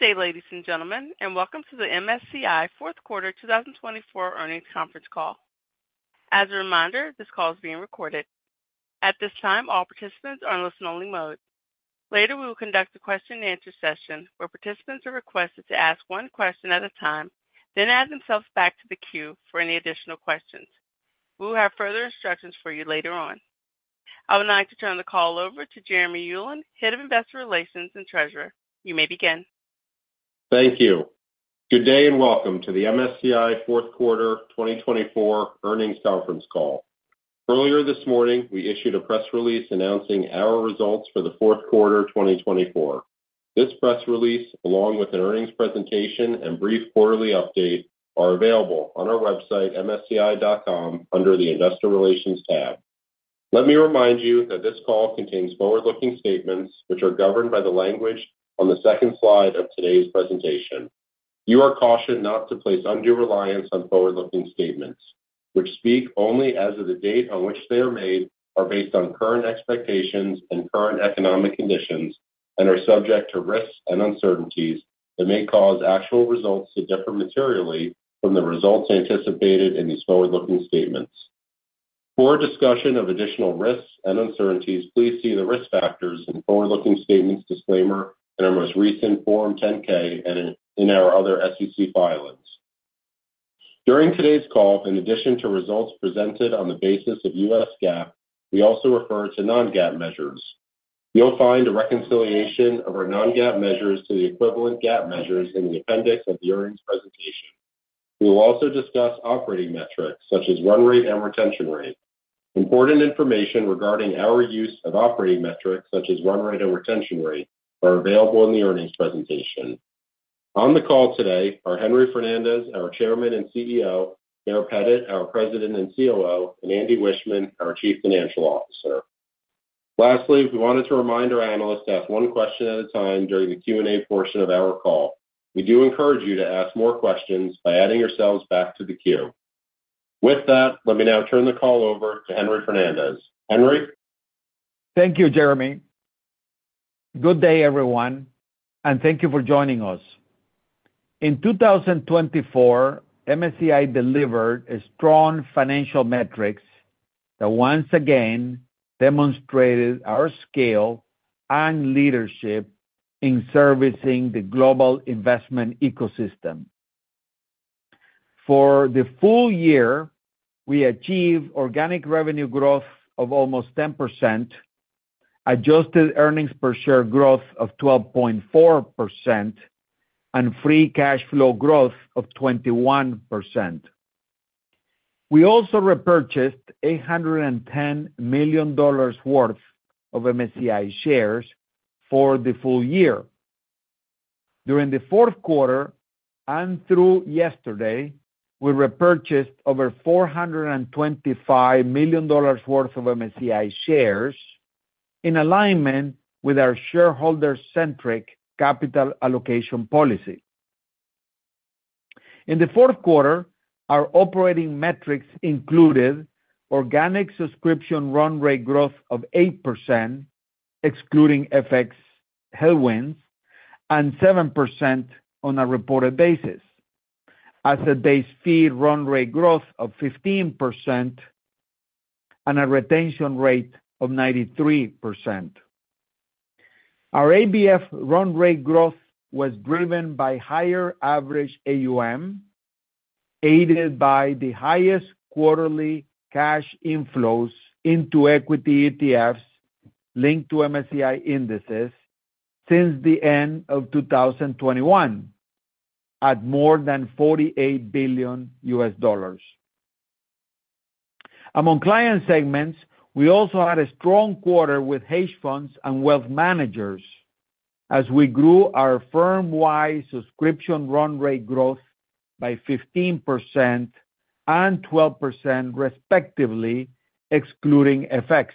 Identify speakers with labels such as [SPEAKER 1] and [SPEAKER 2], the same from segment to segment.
[SPEAKER 1] Good day, ladies and gentlemen, and welcome to the MSCI Fourth Quarter 2024 earnings conference call. As a reminder, this call is being recorded. At this time, all participants are in listen-only mode. Later, we will conduct a question-and-answer session where participants are requested to ask one question at a time, then add themselves back to the queue for any additional questions. We will have further instructions for you later on. I would like to turn the call over to Jeremy Ulan, Head of Investor Relations and Treasurer. You may begin.
[SPEAKER 2] Thank you. Good day and welcome to the MSCI Fourth Quarter 2024 earnings conference call. Earlier this morning, we issued a press release announcing our results for the Fourth Quarter 2024. This press release, along with an earnings presentation and brief quarterly update, are available on our website, msci.com, under the Investor Relations tab. Let me remind you that this call contains forward-looking statements, which are governed by the language on the second slide of today's presentation. You are cautioned not to place undue reliance on forward-looking statements, which speak only as of the date on which they are made, are based on current expectations and current economic conditions, and are subject to risks and uncertainties that may cause actual results to differ materially from the results anticipated in these forward-looking statements. For discussion of additional risks and uncertainties, please see the risk factors in the forward-looking statements disclaimer in our most recent Form 10-K and in our other SEC filings. During today's call, in addition to results presented on the basis of U.S. GAAP, we also refer to non-GAAP measures. You'll find a reconciliation of our non-GAAP measures to the equivalent GAAP measures in the appendix of the earnings presentation. We will also discuss operating metrics such as run rate and retention rate. Important information regarding our use of operating metrics such as run rate and retention rate are available in the earnings presentation. On the call today are Henry Fernandez, our Chairman and CEO; Baer Pettit, our President and COO; and Andy Wiechmann, our Chief Financial Officer. Lastly, we wanted to remind our analysts to ask one question at a time during the Q&A portion of our call. We do encourage you to ask more questions by adding yourselves back to the queue. With that, let me now turn the call over to Henry Fernandez. Henry?
[SPEAKER 3] Thank you, Jeremy. Good day, everyone, and thank you for joining us. In 2024, MSCI delivered strong financial metrics that once again demonstrated our scale and leadership in servicing the global investment ecosystem. For the full year, we achieved organic revenue growth of almost 10%, adjusted earnings per share growth of 12.4%, and free cash flow growth of 21%. We also repurchased $810 million worth of MSCI shares for the full year. During the fourth quarter and through yesterday, we repurchased over $425 million worth of MSCI shares in alignment with our shareholder-centric capital allocation policy. In the fourth quarter, our operating metrics included organic subscription run rate growth of 8%, excluding FX headwinds, and 7% on a reported basis, asset-based fee run rate growth of 15%, and a retention rate of 93%. Our ABF run rate growth was driven by higher average AUM, aided by the highest quarterly cash inflows into equity ETFs linked to MSCI indices since the end of 2021, at more than $48 billion. Among client segments, we also had a strong quarter with hedge funds and wealth managers as we grew our firm-wide subscription run rate growth by 15% and 12%, respectively, excluding FX.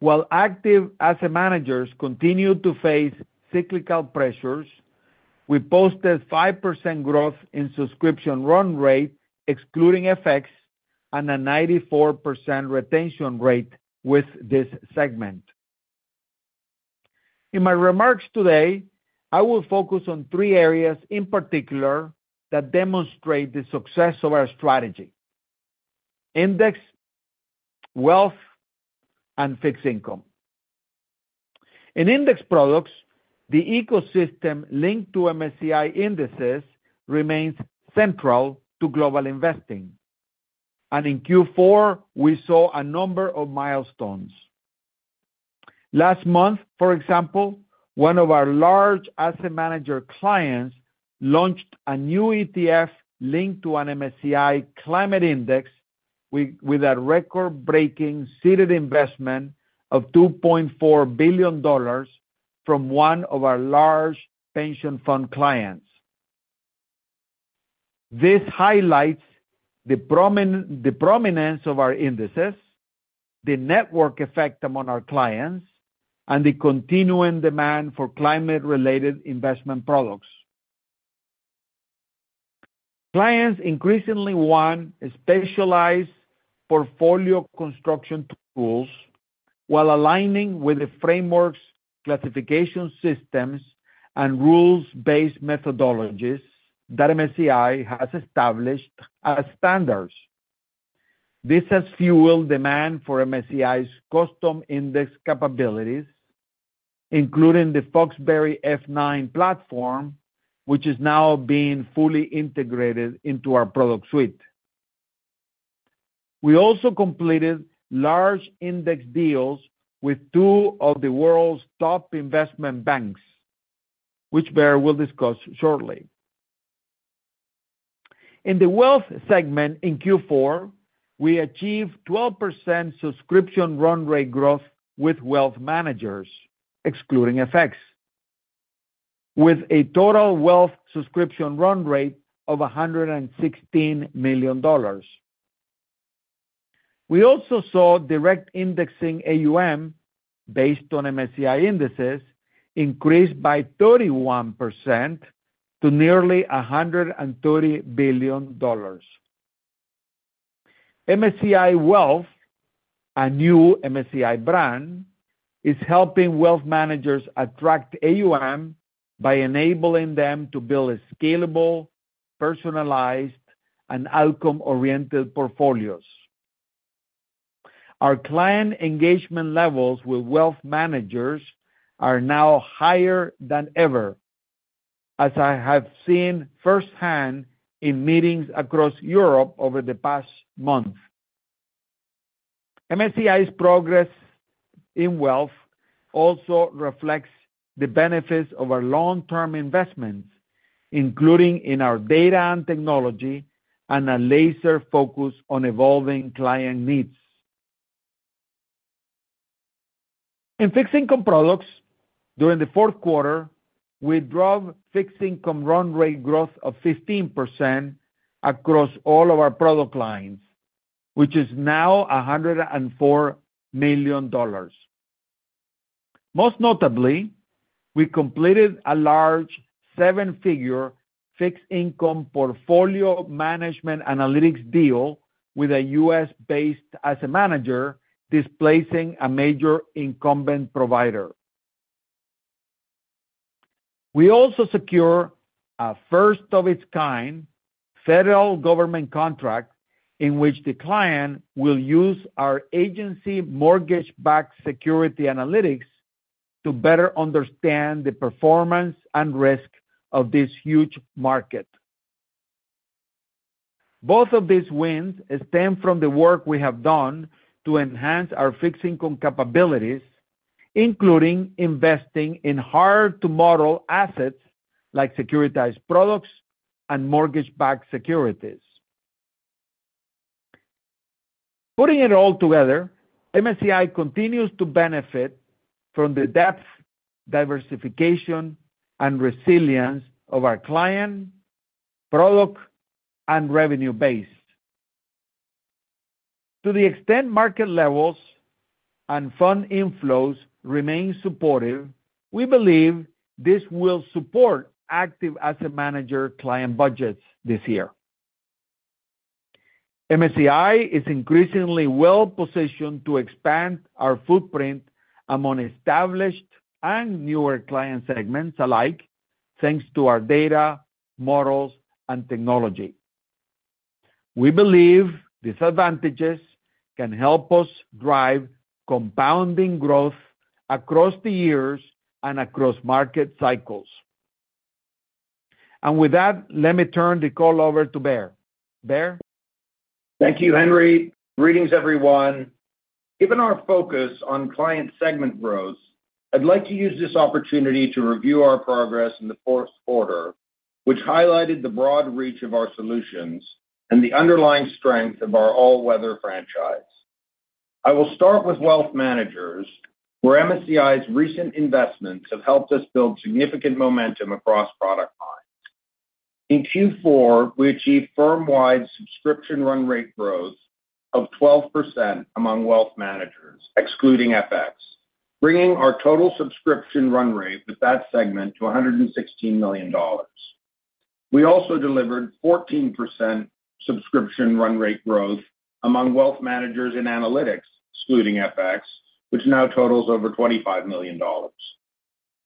[SPEAKER 3] While active asset managers continued to face cyclical pressures, we posted 5% growth in subscription run rate, excluding FX, and a 94% retention rate with this segment. In my remarks today, I will focus on three areas in particular that demonstrate the success of our strategy: index, wealth, and fixed income. In Index products, the ecosystem linked to MSCI indices remains central to global investing, and in Q4, we saw a number of milestones. Last month, for example, one of our large asset manager clients launched a new ETF linked to an MSCI climate index with a record-breaking seeded investment of $2.4 billion from one of our large pension fund clients. This highlights the prominence of our indices, the network effect among our clients, and the continuing demand for climate-related investment products. Clients increasingly want specialized portfolio construction tools while aligning with the frameworks, classification systems, and rules-based methodologies that MSCI has established as standards. This has fueled demand for MSCI's custom index capabilities, including the Foxberry F9 platform, which is now being fully integrated into our product suite. We also completed large index deals with two of the world's top investment banks, which Baer will discuss shortly. In the wealth segment in Q4, we achieved 12% subscription run rate growth with wealth managers, excluding FX, with a total wealth subscription run rate of $116 million. We also saw direct indexing AUM based on MSCI indices increase by 31% to nearly $130 billion. MSCI Wealth, a new MSCI brand, is helping wealth managers attract AUM by enabling them to build scalable, personalized, and outcome-oriented portfolios. Our client engagement levels with wealth managers are now higher than ever, as I have seen firsthand in meetings across Europe over the past month. MSCI's progress in wealth also reflects the benefits of our long-term investments, including in our data and technology and a laser focus on evolving client needs. In fixed income products, during the fourth quarter, we drove fixed income run rate growth of 15% across all of our product lines, which is now $104 million. Most notably, we completed a large seven-figure fixed income portfolio management analytics deal with a U.S.-based asset manager displacing a major incumbent provider. We also secured a first-of-its-kind federal government contract in which the client will use our Agency mortgage-backed security analytics to better understand the performance and risk of this huge market. Both of these wins stem from the work we have done to enhance our fixed income capabilities, including investing in hard-to-model assets like securitized products and mortgage-backed securities. Putting it all together, MSCI continues to benefit from the depth, diversification, and resilience of our client, product, and revenue base. To the extent market levels and fund inflows remain supportive, we believe this will support active asset manager client budgets this year. MSCI is increasingly well-positioned to expand our footprint among established and newer client segments alike, thanks to our data, models, and technology. We believe these advantages can help us drive compounding growth across the years and across market cycles, and with that, let me turn the call over to Baer. Baer?
[SPEAKER 4] Thank you, Henry. Greetings, everyone. Given our focus on client segment growth, I'd like to use this opportunity to review our progress in the fourth quarter, which highlighted the broad reach of our solutions and the underlying strength of our all-weather franchise. I will start with wealth managers, where MSCI's recent investments have helped us build significant momentum across product lines. In Q4, we achieved firm-wide subscription run rate growth of 12% among wealth managers, excluding FX, bringing our total subscription run rate with that segment to $116 million. We also delivered 14% subscription run rate growth among wealth managers in Analytics, excluding FX, which now totals over $25 million.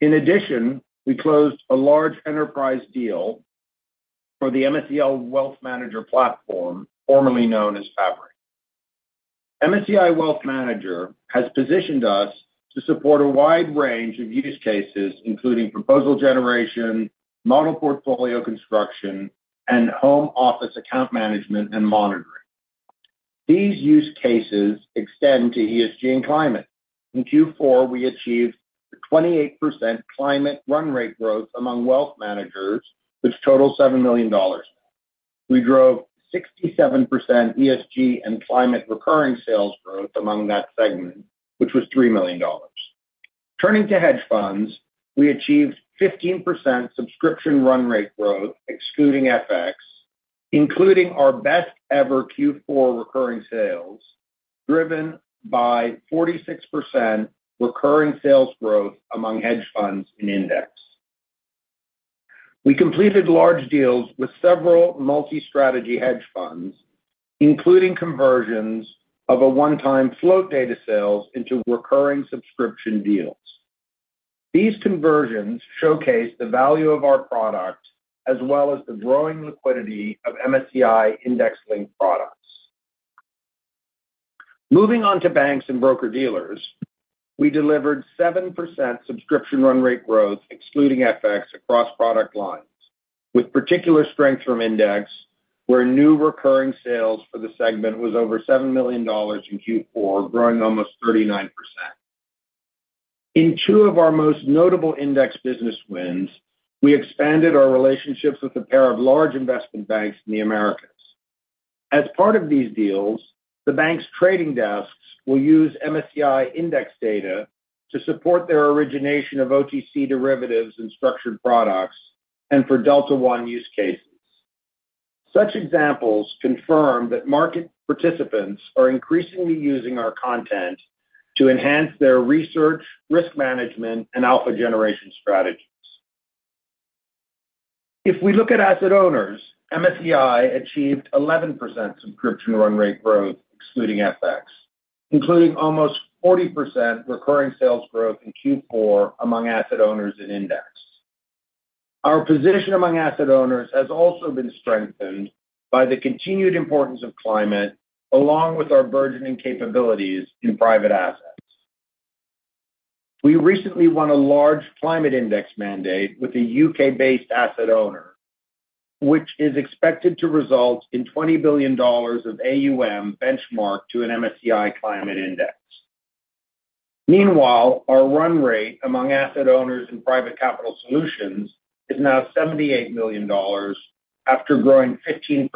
[SPEAKER 4] In addition, we closed a large enterprise deal for the MSCI Wealth Manager platform, formerly known as Fabric. MSCI Wealth Manager has positioned us to support a wide range of use cases, including proposal generation, model portfolio construction, and home office account management and monitoring. These use cases extend to ESG and Climate. In Q4, we achieved 28% climate run rate growth among wealth managers, which totals $7 million. We drove 67% ESG and Climate recurring sales growth among that segment, which was $3 million. Turning to hedge funds, we achieved 15% subscription run rate growth, excluding FX, including our best-ever Q4 recurring sales, driven by 46% recurring sales growth among hedge funds in Index. We completed large deals with several multi-strategy hedge funds, including conversions of a one-time float data sales into recurring subscription deals. These conversions showcase the value of our product as well as the growing liquidity of MSCI index-linked products. Moving on to banks and broker-dealers, we delivered 7% subscription run rate growth, excluding FX, across product lines, with particular strength from Index, where new recurring sales for the segment was over $7 million in Q4, growing almost 39%. In two of our most notable index business wins, we expanded our relationships with a pair of large investment banks in the Americas. As part of these deals, the bank's trading desks will use MSCI index data to support their origination of OTC derivatives and structured products and for Delta One use cases. Such examples confirm that market participants are increasingly using our content to enhance their research, risk management, and alpha generation strategies. If we look at asset owners, MSCI achieved 11% subscription run rate growth, excluding FX, including almost 40% recurring sales growth in Q4 among asset owners in Index. Our position among asset owners has also been strengthened by the continued importance of climate, along with our burgeoning capabilities in private assets. We recently won a large climate index mandate with a U.K.-based asset owner, which is expected to result in $20 billion of AUM benchmarked to an MSCI climate index. Meanwhile, our run rate among asset owners in Private Capital Solutions is now $78 million after growing 15%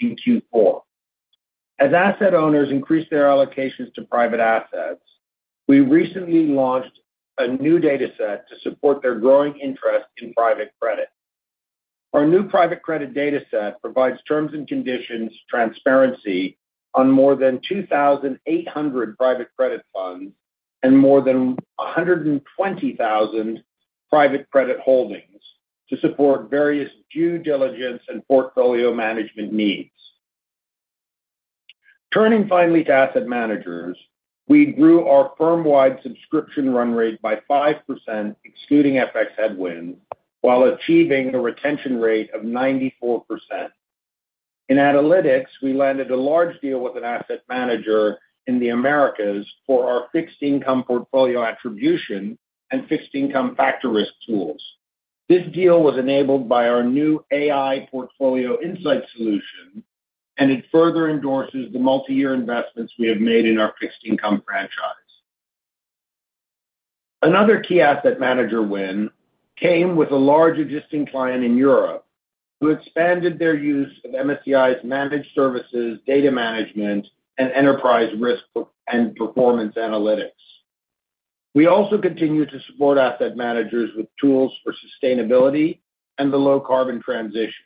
[SPEAKER 4] in Q4. As asset owners increase their allocations to private assets, we recently launched a new data set to support their growing interest in private credit. Our new private credit data set provides terms and conditions transparency on more than 2,800 private credit funds and more than 120,000 private credit holdings to support various due diligence and portfolio management needs. Turning finally to asset managers, we grew our firm-wide subscription run rate by 5%, excluding FX headwinds, while achieving a retention rate of 94%. In Analytics, we landed a large deal with an asset manager in the Americas for our fixed income portfolio attribution and fixed income factor risk tools. This deal was enabled by our new AI Portfolio Insights solution, and it further endorses the multi-year investments we have made in our fixed income franchise. Another key asset manager win came with a large existing client in Europe who expanded their use of MSCI's managed services, data management, and enterprise risk and performance analytics. We also continue to support asset managers with tools for sustainability and the low-carbon transition.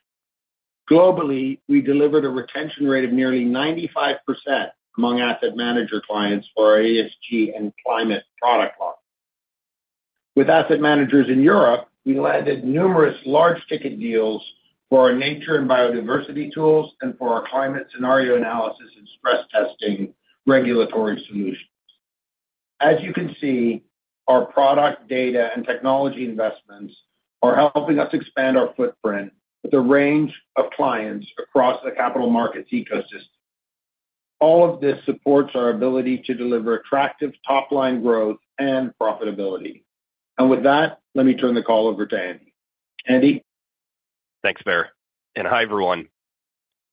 [SPEAKER 4] Globally, we delivered a retention rate of nearly 95% among asset manager clients for our ESG and Climate product line. With asset managers in Europe, we landed numerous large-ticket deals for our nature and biodiversity tools and for our climate scenario analysis and stress testing regulatory solutions. As you can see, our product, data, and technology investments are helping us expand our footprint with a range of clients across the capital markets ecosystem. All of this supports our ability to deliver attractive top-line growth and profitability. And with that, let me turn the call over to Andy. Andy?
[SPEAKER 5] Thanks, Baer. And hi, everyone.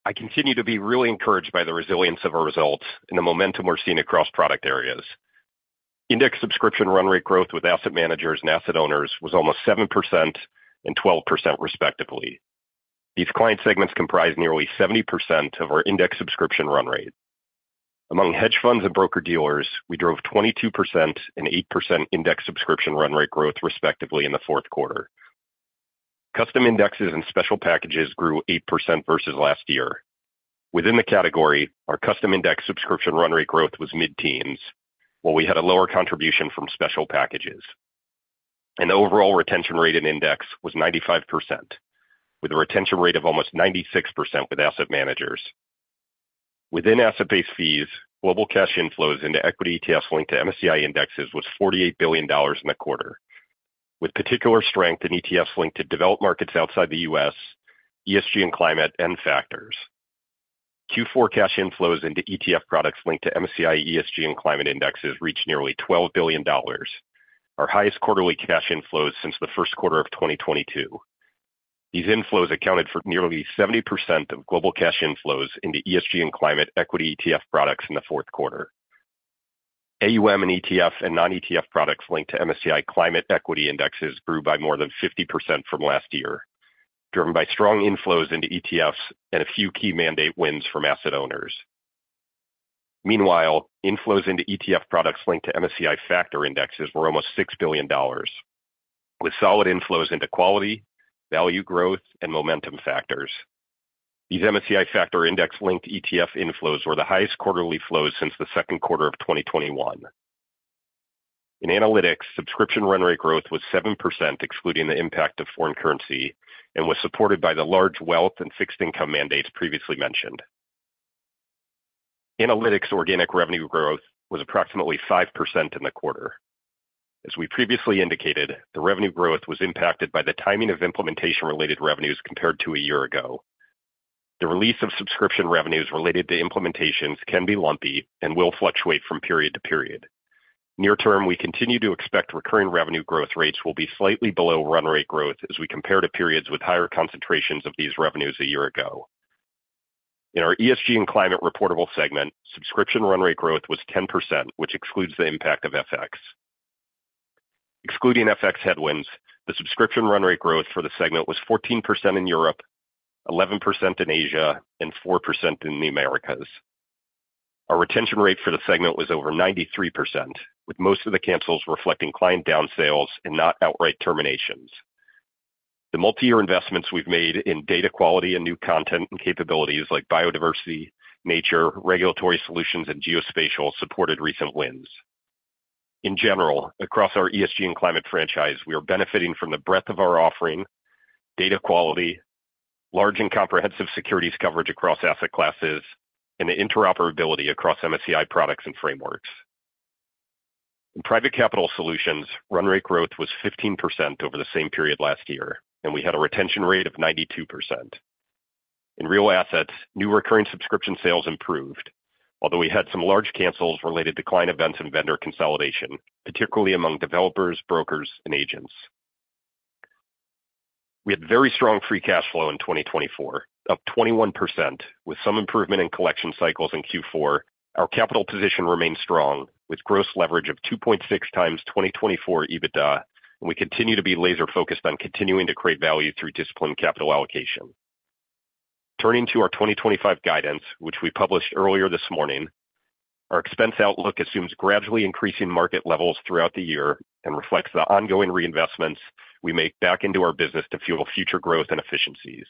[SPEAKER 5] I continue to be really encouraged by the resilience of our results and the momentum we're seeing across product areas. Index subscription run rate growth with asset managers and asset owners was almost 7% and 12%, respectively. These client segments comprise nearly 70% of our index subscription run rate. Among hedge funds and broker-dealers, we drove 22% and 8% index subscription run rate growth, respectively, in the fourth quarter. Custom indexes and special packages grew 8% versus last year. Within the category, our custom index subscription run rate growth was mid-teens, while we had a lower contribution from special packages. And the overall retention rate in Index was 95%, with a retention rate of almost 96% with asset managers. Within asset-based fees, global cash inflows into equity ETFs linked to MSCI indexes was $48 billion in the quarter, with particular strength in ETFs linked to developed markets outside the U.S., ESG and Climate, and factors. Q4 cash inflows into ETF products linked to MSCI ESG and Climate indexes reached nearly $12 billion, our highest quarterly cash inflows since the first quarter of 2022. These inflows accounted for nearly 70% of global cash inflows into ESG and Climate equity ETF products in the fourth quarter. AUM and ETF and non-ETF products linked to MSCI climate equity indexes grew by more than 50% from last year, driven by strong inflows into ETFs and a few key mandate wins from asset owners. Meanwhile, inflows into ETF products linked to MSCI Factor indexes were almost $6 billion, with solid inflows into quality, value, growth, and momentum factors. These MSCI Factor index-linked ETF inflows were the highest quarterly flows since the second quarter of 2021. In Analytics, subscription run rate growth was 7%, excluding the impact of foreign currency, and was supported by the large wealth and fixed income mandates previously mentioned. Analytics' organic revenue growth was approximately 5% in the quarter. As we previously indicated, the revenue growth was impacted by the timing of implementation-related revenues compared to a year ago. The release of subscription revenues related to implementations can be lumpy and will fluctuate from period to period. Near term, we continue to expect recurring revenue growth rates will be slightly below run rate growth as we compare to periods with higher concentrations of these revenues a year ago. In our ESG and Climate reportable segment, subscription run rate growth was 10%, which excludes the impact of FX. Excluding FX headwinds, the subscription run rate growth for the segment was 14% in Europe, 11% in Asia, and 4% in the Americas. Our retention rate for the segment was over 93%, with most of the cancels reflecting client downsales and not outright terminations. The multi-year investments we've made in data quality and new content and capabilities like biodiversity, nature, regulatory solutions, and geospatial supported recent wins. In general, across our ESG and Climate franchise, we are benefiting from the breadth of our offering, data quality, large and comprehensive securities coverage across asset classes, and the interoperability across MSCI products and frameworks. In Private Capital Solutions, run rate growth was 15% over the same period last year, and we had a retention rate of 92%. In Real Assets, new recurring subscription sales improved, although we had some large cancels related to client events and vendor consolidation, particularly among developers, brokers, and agents. We had very strong free cash flow in 2024, up 21%, with some improvement in collection cycles in Q4. Our capital position remained strong, with gross leverage of 2.6 times 2024 EBITDA, and we continue to be laser-focused on continuing to create value through disciplined capital allocation. Turning to our 2025 guidance, which we published earlier this morning, our expense outlook assumes gradually increasing market levels throughout the year and reflects the ongoing reinvestments we make back into our business to fuel future growth and efficiencies.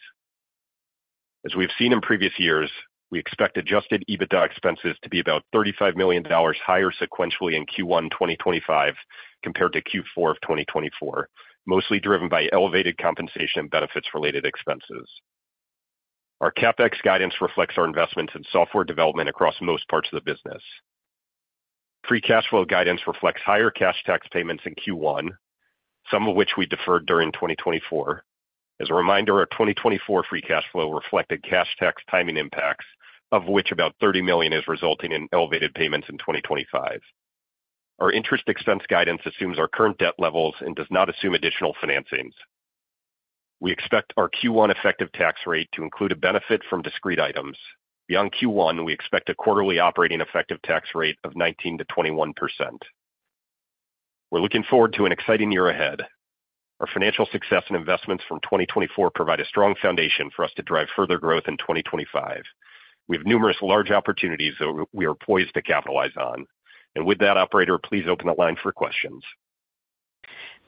[SPEAKER 5] As we've seen in previous years, we expect adjusted EBITDA expenses to be about $35 million higher sequentially in Q1 2025 compared to Q4 of 2024, mostly driven by elevated compensation and benefits-related expenses. Our CapEx guidance reflects our investments in software development across most parts of the business. Free cash flow guidance reflects higher cash tax payments in Q1, some of which we deferred during 2024. As a reminder, our 2024 free cash flow reflected cash tax timing impacts, of which about $30 million is resulting in elevated payments in 2025. Our interest expense guidance assumes our current debt levels and does not assume additional financings. We expect our Q1 effective tax rate to include a benefit from discrete items. Beyond Q1, we expect a quarterly operating effective tax rate of 19%-21%. We're looking forward to an exciting year ahead. Our financial success and investments from 2024 provide a strong foundation for us to drive further growth in 2025. We have numerous large opportunities that we are poised to capitalize on. And with that, operator, please open the line for questions.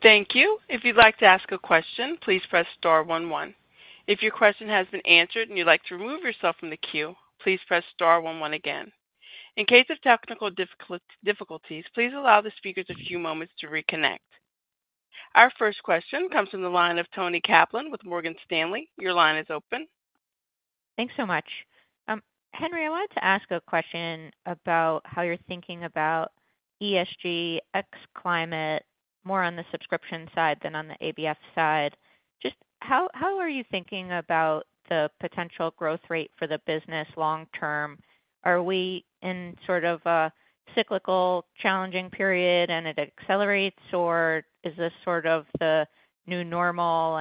[SPEAKER 1] Thank you. If you'd like to ask a question, please press star 11. If your question has been answered and you'd like to remove yourself from the queue, please press star 11 again. In case of technical difficulties, please allow the speakers a few moments to reconnect. Our first question comes from the line of Toni Kaplan with Morgan Stanley. Your line is open.
[SPEAKER 6] Thanks so much. Henry, I wanted to ask a question about how you're thinking about ESG and Climate, more on the subscription side than on the ABF side. Just how are you thinking about the potential growth rate for the business long term? Are we in sort of a cyclical challenging period and it accelerates, or is this sort of the new normal?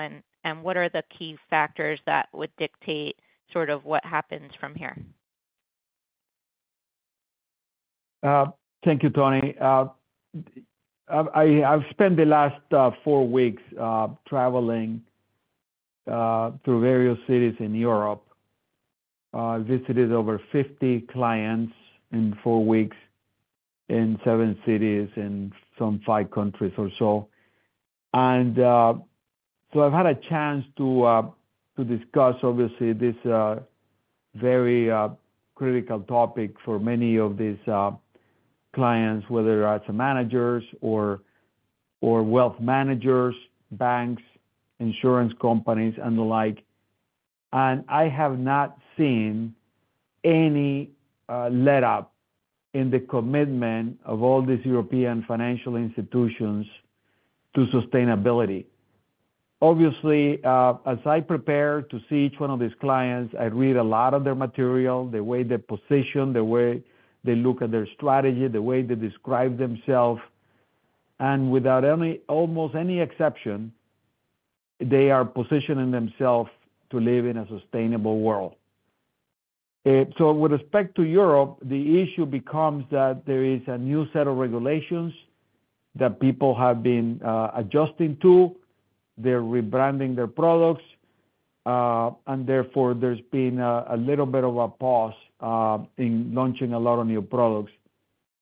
[SPEAKER 6] What are the key factors that would dictate sort of what happens from here?
[SPEAKER 3] Thank you, Toni. I've spent the last four weeks traveling through various cities in Europe. I visited over 50 clients in four weeks in seven cities in some five countries or so. And so I've had a chance to discuss, obviously, this very critical topic for many of these clients, whether they're asset managers or wealth managers, banks, insurance companies, and the like. And I have not seen any let-up in the commitment of all these European financial institutions to sustainability. Obviously, as I prepare to see each one of these clients, I read a lot of their material, the way they're positioned, the way they look at their strategy, the way they describe themselves. And without almost any exception, they are positioning themselves to live in a sustainable world. With respect to Europe, the issue becomes that there is a new set of regulations that people have been adjusting to. They're rebranding their products, and therefore, there's been a little bit of a pause in launching a lot of new products,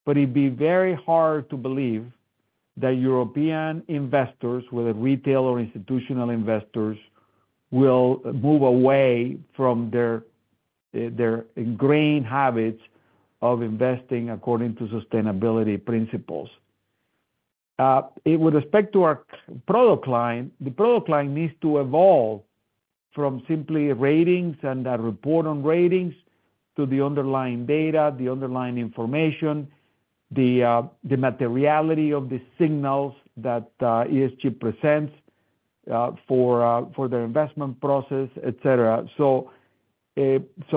[SPEAKER 3] but it'd be very hard to believe that European investors, whether retail or institutional investors, will move away from their ingrained habits of investing according to sustainability principles. With respect to our product line, the product line needs to evolve from simply ratings and a report on ratings to the underlying data, the underlying information, the materiality of the signals that ESG presents for their investment process, etc., so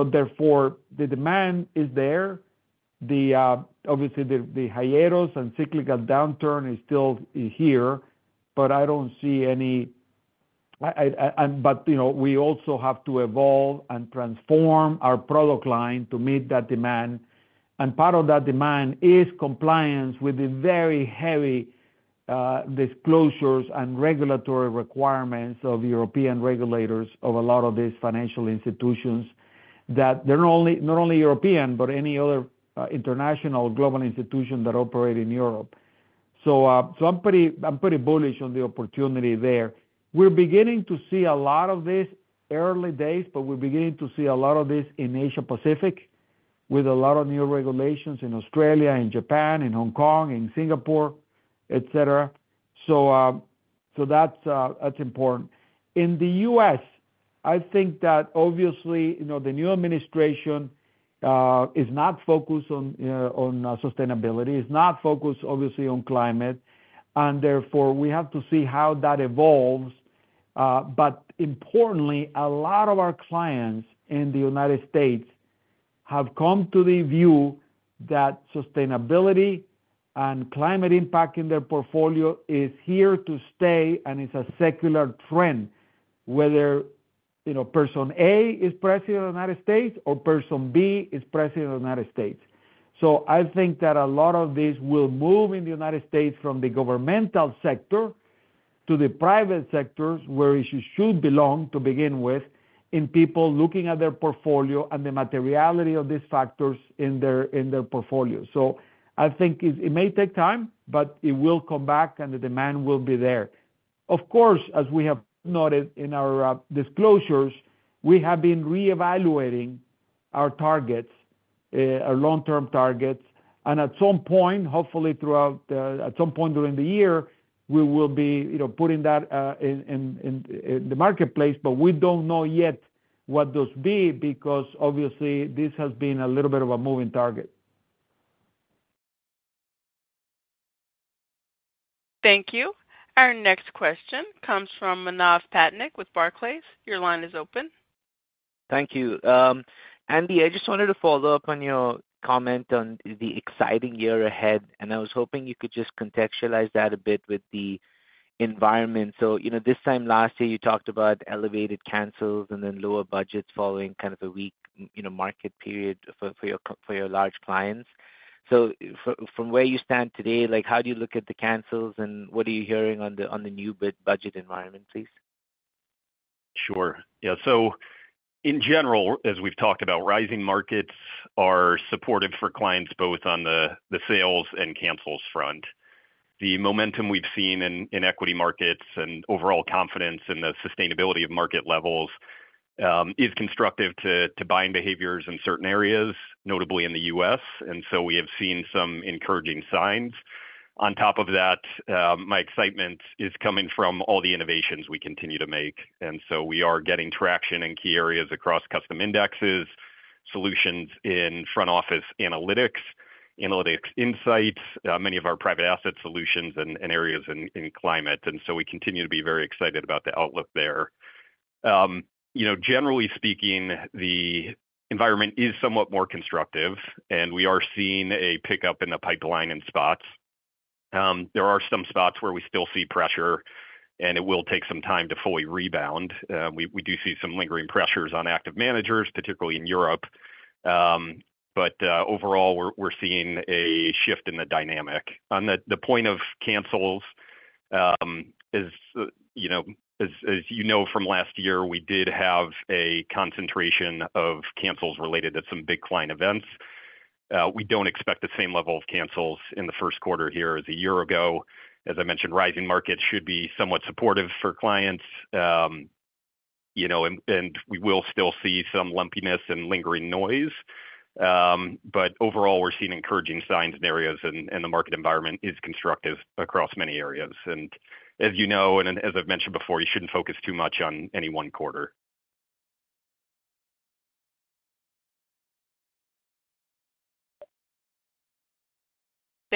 [SPEAKER 3] therefore, the demand is there. Obviously, the macro and cyclical downturn is still here, but I don't see any, but we also have to evolve and transform our product line to meet that demand. And part of that demand is compliance with the very heavy disclosures and regulatory requirements of European regulators of a lot of these financial institutions that they're not only European, but any other international global institution that operate in Europe. So I'm pretty bullish on the opportunity there. We're beginning to see a lot of these early days, but we're beginning to see a lot of these in Asia-Pacific with a lot of new regulations in Australia, in Japan, in Hong Kong, in Singapore, etc. So that's important. In the U.S., I think that obviously the new administration is not focused on sustainability. It's not focused, obviously, on climate. And therefore, we have to see how that evolves. But importantly, a lot of our clients in the United States have come to the view that sustainability and climate impact in their portfolio is here to stay and is a secular trend, whether person A is president of the United States or person B is president of the United States. So I think that a lot of these will move in the United States from the governmental sector to the private sectors, where it should belong to begin with, in people looking at their portfolio and the materiality of these factors in their portfolio. So I think it may take time, but it will come back and the demand will be there. Of course, as we have noted in our disclosures, we have been reevaluating our targets, our long-term targets. At some point, hopefully throughout, at some point during the year, we will be putting that in the marketplace. We don't know yet what those be because, obviously, this has been a little bit of a moving target.
[SPEAKER 1] Thank you. Our next question comes from Manav Patnaik with Barclays. Your line is open.
[SPEAKER 7] Thank you. Andy, I just wanted to follow up on your comment on the exciting year ahead. And I was hoping you could just contextualize that a bit with the environment. So this time last year, you talked about elevated cancels and then lower budgets following kind of a weak market period for your large clients. So from where you stand today, how do you look at the cancels and what are you hearing on the new budget environment, please?
[SPEAKER 5] Sure. Yeah. So in general, as we've talked about, rising markets are supportive for clients both on the sales and cancels front. The momentum we've seen in equity markets and overall confidence in the sustainability of market levels is constructive to buying behaviors in certain areas, notably in the U.S. And so we have seen some encouraging signs. On top of that, my excitement is coming from all the innovations we continue to make. And so we are getting traction in key areas across custom indexes, solutions in front office analytics, analytics insights, many of our private asset solutions, and areas in climate. And so we continue to be very excited about the outlook there. Generally speaking, the environment is somewhat more constructive, and we are seeing a pickup in the pipeline in spots. There are some spots where we still see pressure, and it will take some time to fully rebound. We do see some lingering pressures on active managers, particularly in Europe, but overall, we're seeing a shift in the dynamic. On the point of cancels, as you know from last year, we did have a concentration of cancels related to some big client events. We don't expect the same level of cancels in the first quarter here as a year ago. As I mentioned, rising markets should be somewhat supportive for clients, and we will still see some lumpiness and lingering noise, but overall, we're seeing encouraging signs and areas, and the market environment is constructive across many areas, and as you know, and as I've mentioned before, you shouldn't focus too much on any one quarter.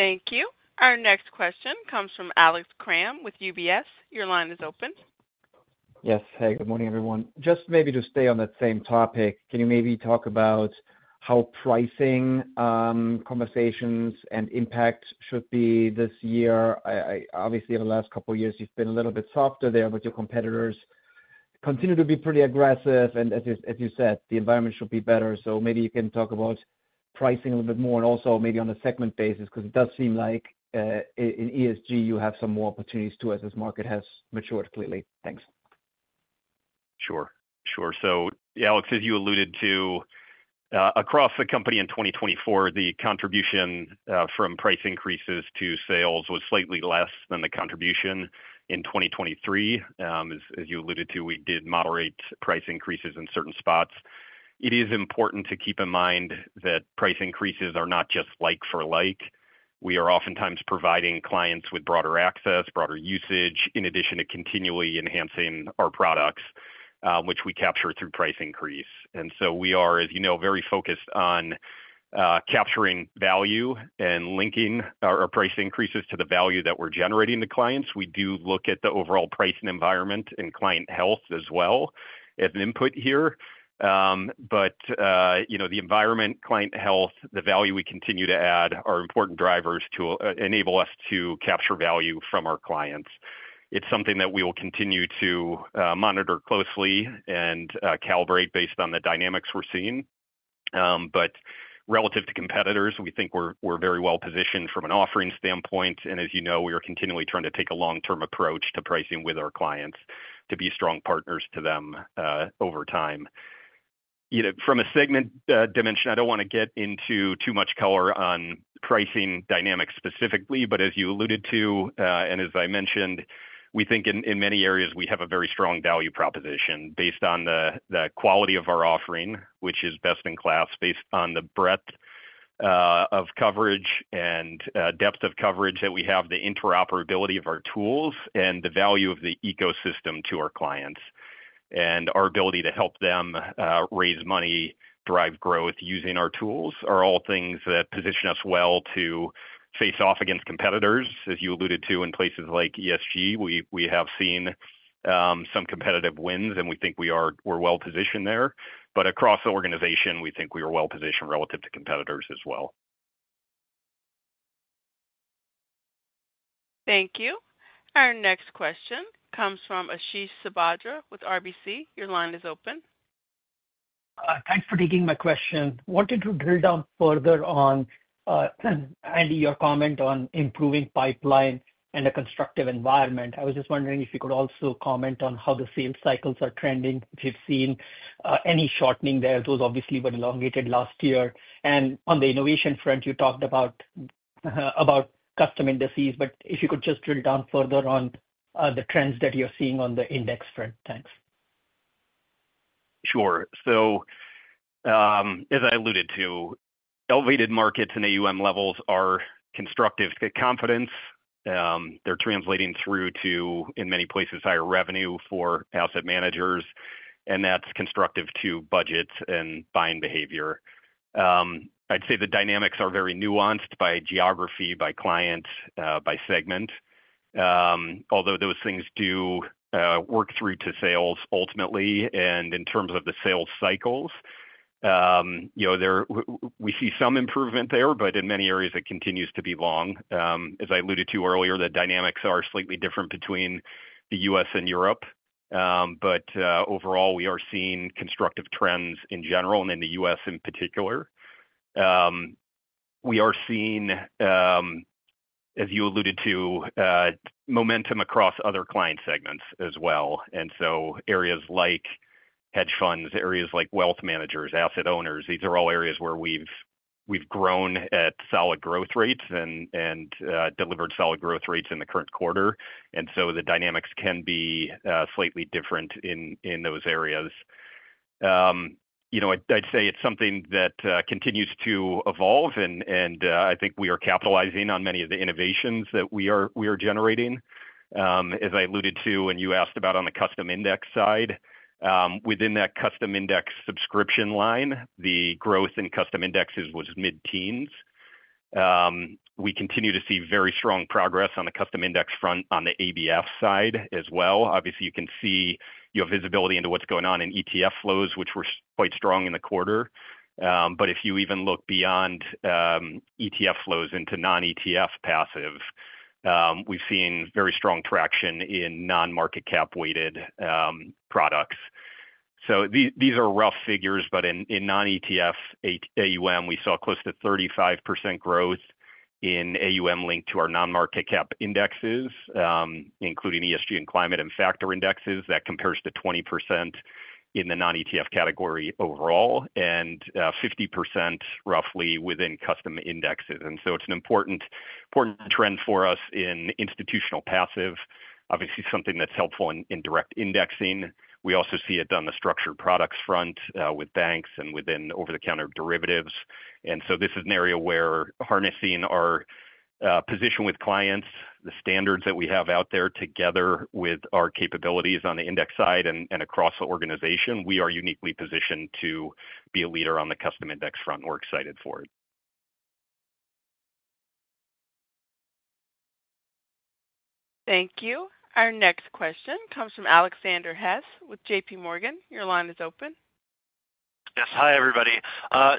[SPEAKER 1] Thank you. Our next question comes from Alex Kramm with UBS. Your line is open.
[SPEAKER 8] Yes. Hey, good morning, everyone. Just maybe to stay on that same topic, can you maybe talk about how pricing conversations and impact should be this year? Obviously, over the last couple of years, you've been a little bit softer there with your competitors. Continue to be pretty aggressive. And as you said, the environment should be better. So maybe you can talk about pricing a little bit more and also maybe on a segment basis because it does seem like in ESG, you have some more opportunities too as this market has matured clearly. Thanks.
[SPEAKER 5] Sure. Sure. So Alex, as you alluded to, across the company in 2024, the contribution from price increases to sales was slightly less than the contribution in 2023. As you alluded to, we did moderate price increases in certain spots. It is important to keep in mind that price increases are not just like-for-like. We are oftentimes providing clients with broader access, broader usage, in addition to continually enhancing our products, which we capture through price increase. And so we are, as you know, very focused on capturing value and linking our price increases to the value that we're generating to clients. We do look at the overall pricing environment and client health as well as input here. But the environment, client health, the value we continue to add are important drivers to enable us to capture value from our clients. It's something that we will continue to monitor closely and calibrate based on the dynamics we're seeing, but relative to competitors, we think we're very well positioned from an offering standpoint, and as you know, we are continually trying to take a long-term approach to pricing with our clients to be strong partners to them over time. From a segment dimension, I don't want to get into too much color on pricing dynamics specifically, but as you alluded to, and as I mentioned, we think in many areas, we have a very strong value proposition based on the quality of our offering, which is best in class based on the breadth of coverage and depth of coverage that we have, the interoperability of our tools, and the value of the ecosystem to our clients. Our ability to help them raise money, drive growth using our tools are all things that position us well to face off against competitors. As you alluded to, in places like ESG, we have seen some competitive wins, and we think we're well positioned there. Across the organization, we think we are well positioned relative to competitors as well.
[SPEAKER 1] Thank you. Our next question comes from Ashish Sabadra with RBC. Your line is open.
[SPEAKER 9] Thanks for taking my question. Wanted to drill down further on, Andy, your comment on improving pipeline and a constructive environment. I was just wondering if you could also comment on how the sales cycles are trending, if you've seen any shortening there? Those obviously were elongated last year, and on the innovation front, you talked about custom indices, but if you could just drill down further on the trends that you're seeing on the index front? Thanks.
[SPEAKER 5] Sure, so as I alluded to, elevated markets and AUM levels are constructive to confidence. They're translating through to, in many places, higher revenue for asset managers, and that's constructive to budgets and buying behavior. I'd say the dynamics are very nuanced by geography, by client, by segment. Although those things do work through to sales ultimately, and in terms of the sales cycles, we see some improvement there, but in many areas, it continues to be long. As I alluded to earlier, the dynamics are slightly different between the U.S. and Europe, but overall, we are seeing constructive trends in general and in the U.S. in particular. We are seeing, as you alluded to, momentum across other client segments as well. Areas like hedge funds, areas like wealth managers, asset owners, these are all areas where we've grown at solid growth rates and delivered solid growth rates in the current quarter. The dynamics can be slightly different in those areas. I'd say it's something that continues to evolve. I think we are capitalizing on many of the innovations that we are generating. As I alluded to when you asked about on the custom index side, within that custom index subscription line, the growth in custom indexes was mid-teens. We continue to see very strong progress on the custom index front on the ABF side as well. Obviously, you can see your visibility into what's going on in ETF flows, which were quite strong in the quarter. But if you even look beyond ETF flows into non-ETF passive, we've seen very strong traction in non-market cap weighted products. So these are rough figures, but in non-ETF AUM, we saw close to 35% growth in AUM linked to our non-market cap indexes, including ESG and Climate and factor indexes. That compares to 20% in the non-ETF category overall and 50% roughly within custom indexes. And so it's an important trend for us in institutional passive, obviously something that's helpful in direct indexing. We also see it on the structured products front with banks and within over-the-counter derivatives. And so this is an area where harnessing our position with clients, the standards that we have out there together with our capabilities on the Index side and across the organization, we are uniquely positioned to be a leader on the custom index front. We're excited for it.
[SPEAKER 1] Thank you. Our next question comes from Alexander Hess with JPMorgan. Your line is open.
[SPEAKER 10] Yes. Hi, everybody.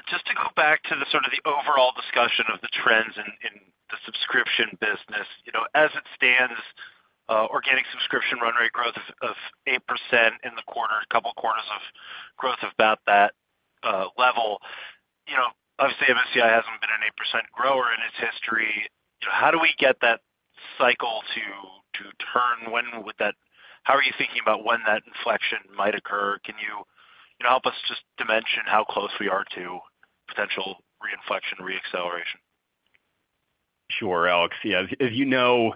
[SPEAKER 10] Just to go back to the sort of the overall discussion of the trends in the subscription business, as it stands, organic subscription run rate growth of 8% in the quarter, a couple of quarters of growth of about that level. Obviously, MSCI hasn't been an 8% grower in its history. How do we get that cycle to turn? How are you thinking about when that inflection might occur? Can you help us just dimension how close we are to potential reinflection, reacceleration?
[SPEAKER 5] Sure, Alex. Yeah. As you know,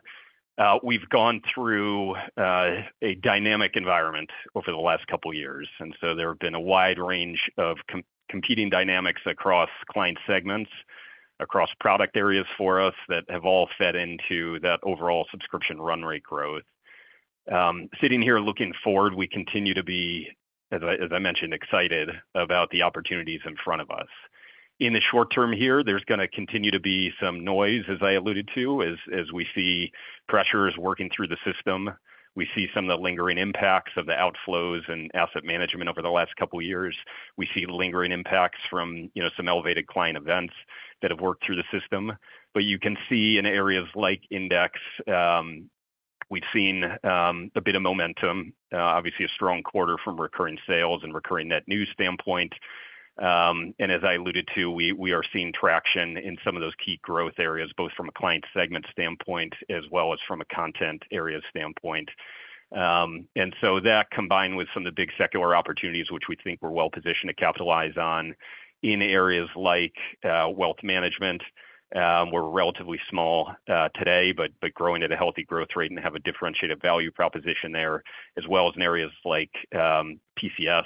[SPEAKER 5] we've gone through a dynamic environment over the last couple of years, and so there have been a wide range of competing dynamics across client segments, across product areas for us that have all fed into that overall subscription run rate growth. Sitting here looking forward, we continue to be, as I mentioned, excited about the opportunities in front of us. In the short term here, there's going to continue to be some noise, as I alluded to, as we see pressures working through the system. We see some of the lingering impacts of the outflows and asset management over the last couple of years. We see lingering impacts from some elevated client events that have worked through the system. But you can see in areas like Index, we've seen a bit of momentum, obviously a strong quarter from recurring sales and recurring net new standpoint. And as I alluded to, we are seeing traction in some of those key growth areas, both from a client segment standpoint as well as from a content area standpoint. And so that combined with some of the big secular opportunities, which we think we're well positioned to capitalize on in areas like wealth management. We're relatively small today, but growing at a healthy growth rate and have a differentiated value proposition there, as well as in areas like PCS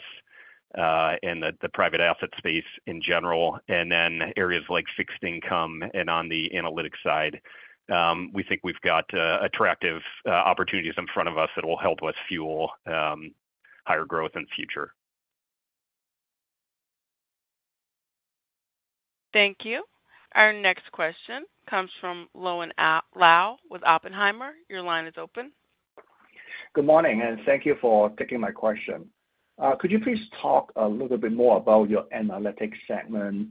[SPEAKER 5] and the private asset space in general. And then areas like fixed income and on the Analytics side, we think we've got attractive opportunities in front of us that will help us fuel higher growth in the future.
[SPEAKER 1] Thank you. Our next question comes from Owen Lau with Oppenheimer. Your line is open.
[SPEAKER 11] Good morning, and thank you for taking my question. Could you please talk a little bit more about your Analytics segment?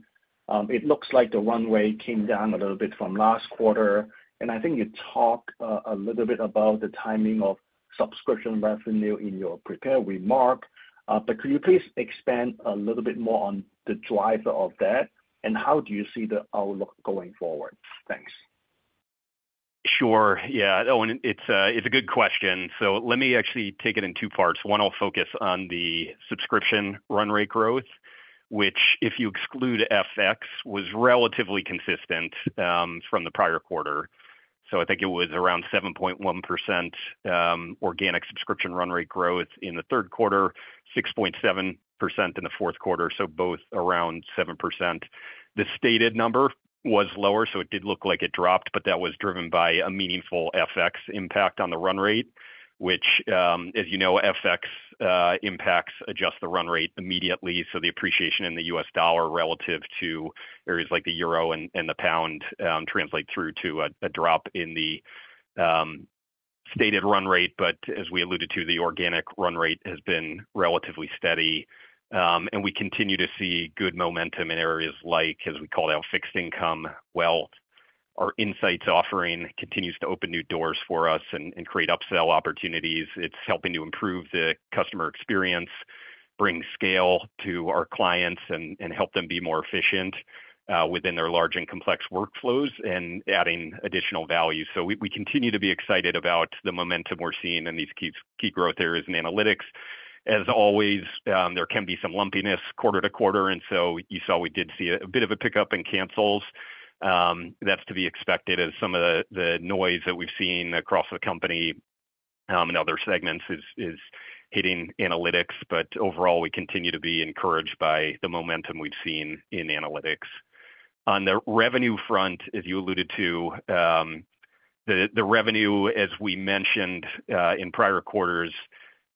[SPEAKER 11] It looks like the run rate came down a little bit from last quarter. And I think you talked a little bit about the timing of subscription revenue in your prepared remarks. But could you please expand a little bit more on the driver of that, and how do you see the outlook going forward? Thanks.
[SPEAKER 5] Sure. Yeah. Oh, and it's a good question, so let me actually take it in two parts. One, I'll focus on the subscription run rate growth, which, if you exclude FX, was relatively consistent from the prior quarter, so I think it was around 7.1% organic subscription run rate growth in the third quarter, 6.7% in the fourth quarter, so both around 7%. The stated number was lower, so it did look like it dropped, but that was driven by a meaningful FX impact on the run rate, which, as you know, FX impacts adjust the run rate immediately, so the appreciation in the U.S. dollar relative to areas like the euro and the pound translates through to a drop in the stated run rate. But as we alluded to, the organic run rate has been relatively steady. We continue to see good momentum in areas like, as we called out, fixed income, wealth. Our insights offering continues to open new doors for us and create upsell opportunities. It's helping to improve the customer experience, bring scale to our clients, and help them be more efficient within their large and complex workflows and adding additional value. We continue to be excited about the momentum we're seeing in these key growth areas in Analytics. As always, there can be some lumpiness quarter to quarter. You saw we did see a bit of a pickup in cancels. That's to be expected as some of the noise that we've seen across the company and other segments is hitting analytics. Overall, we continue to be encouraged by the momentum we've seen in Analytics. On the revenue front, as you alluded to, the revenue, as we mentioned in prior quarters,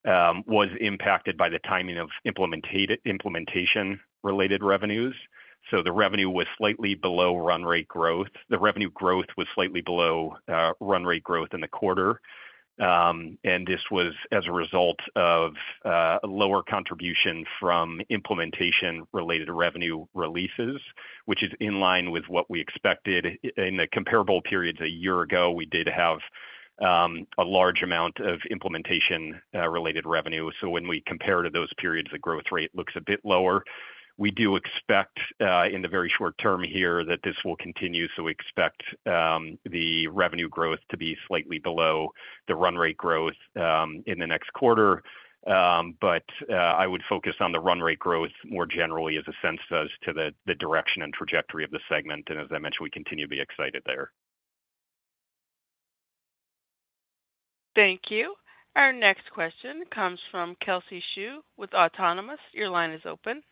[SPEAKER 5] was impacted by the timing of implementation-related revenues, so the revenue was slightly below run rate growth. The revenue growth was slightly below run rate growth in the quarter, and this was as a result of lower contribution from implementation-related revenue releases, which is in line with what we expected. In the comparable periods a year ago, we did have a large amount of implementation-related revenue, so when we compare to those periods, the growth rate looks a bit lower. We do expect in the very short term here that this will continue, so we expect the revenue growth to be slightly below the run rate growth in the next quarter, but I would focus on the run rate growth more generally as a sense as to the direction and trajectory of the segment. As I mentioned, we continue to be excited there.
[SPEAKER 1] Thank you. Our next question comes from Kelsey Zhu with Autonomous. Your line is open.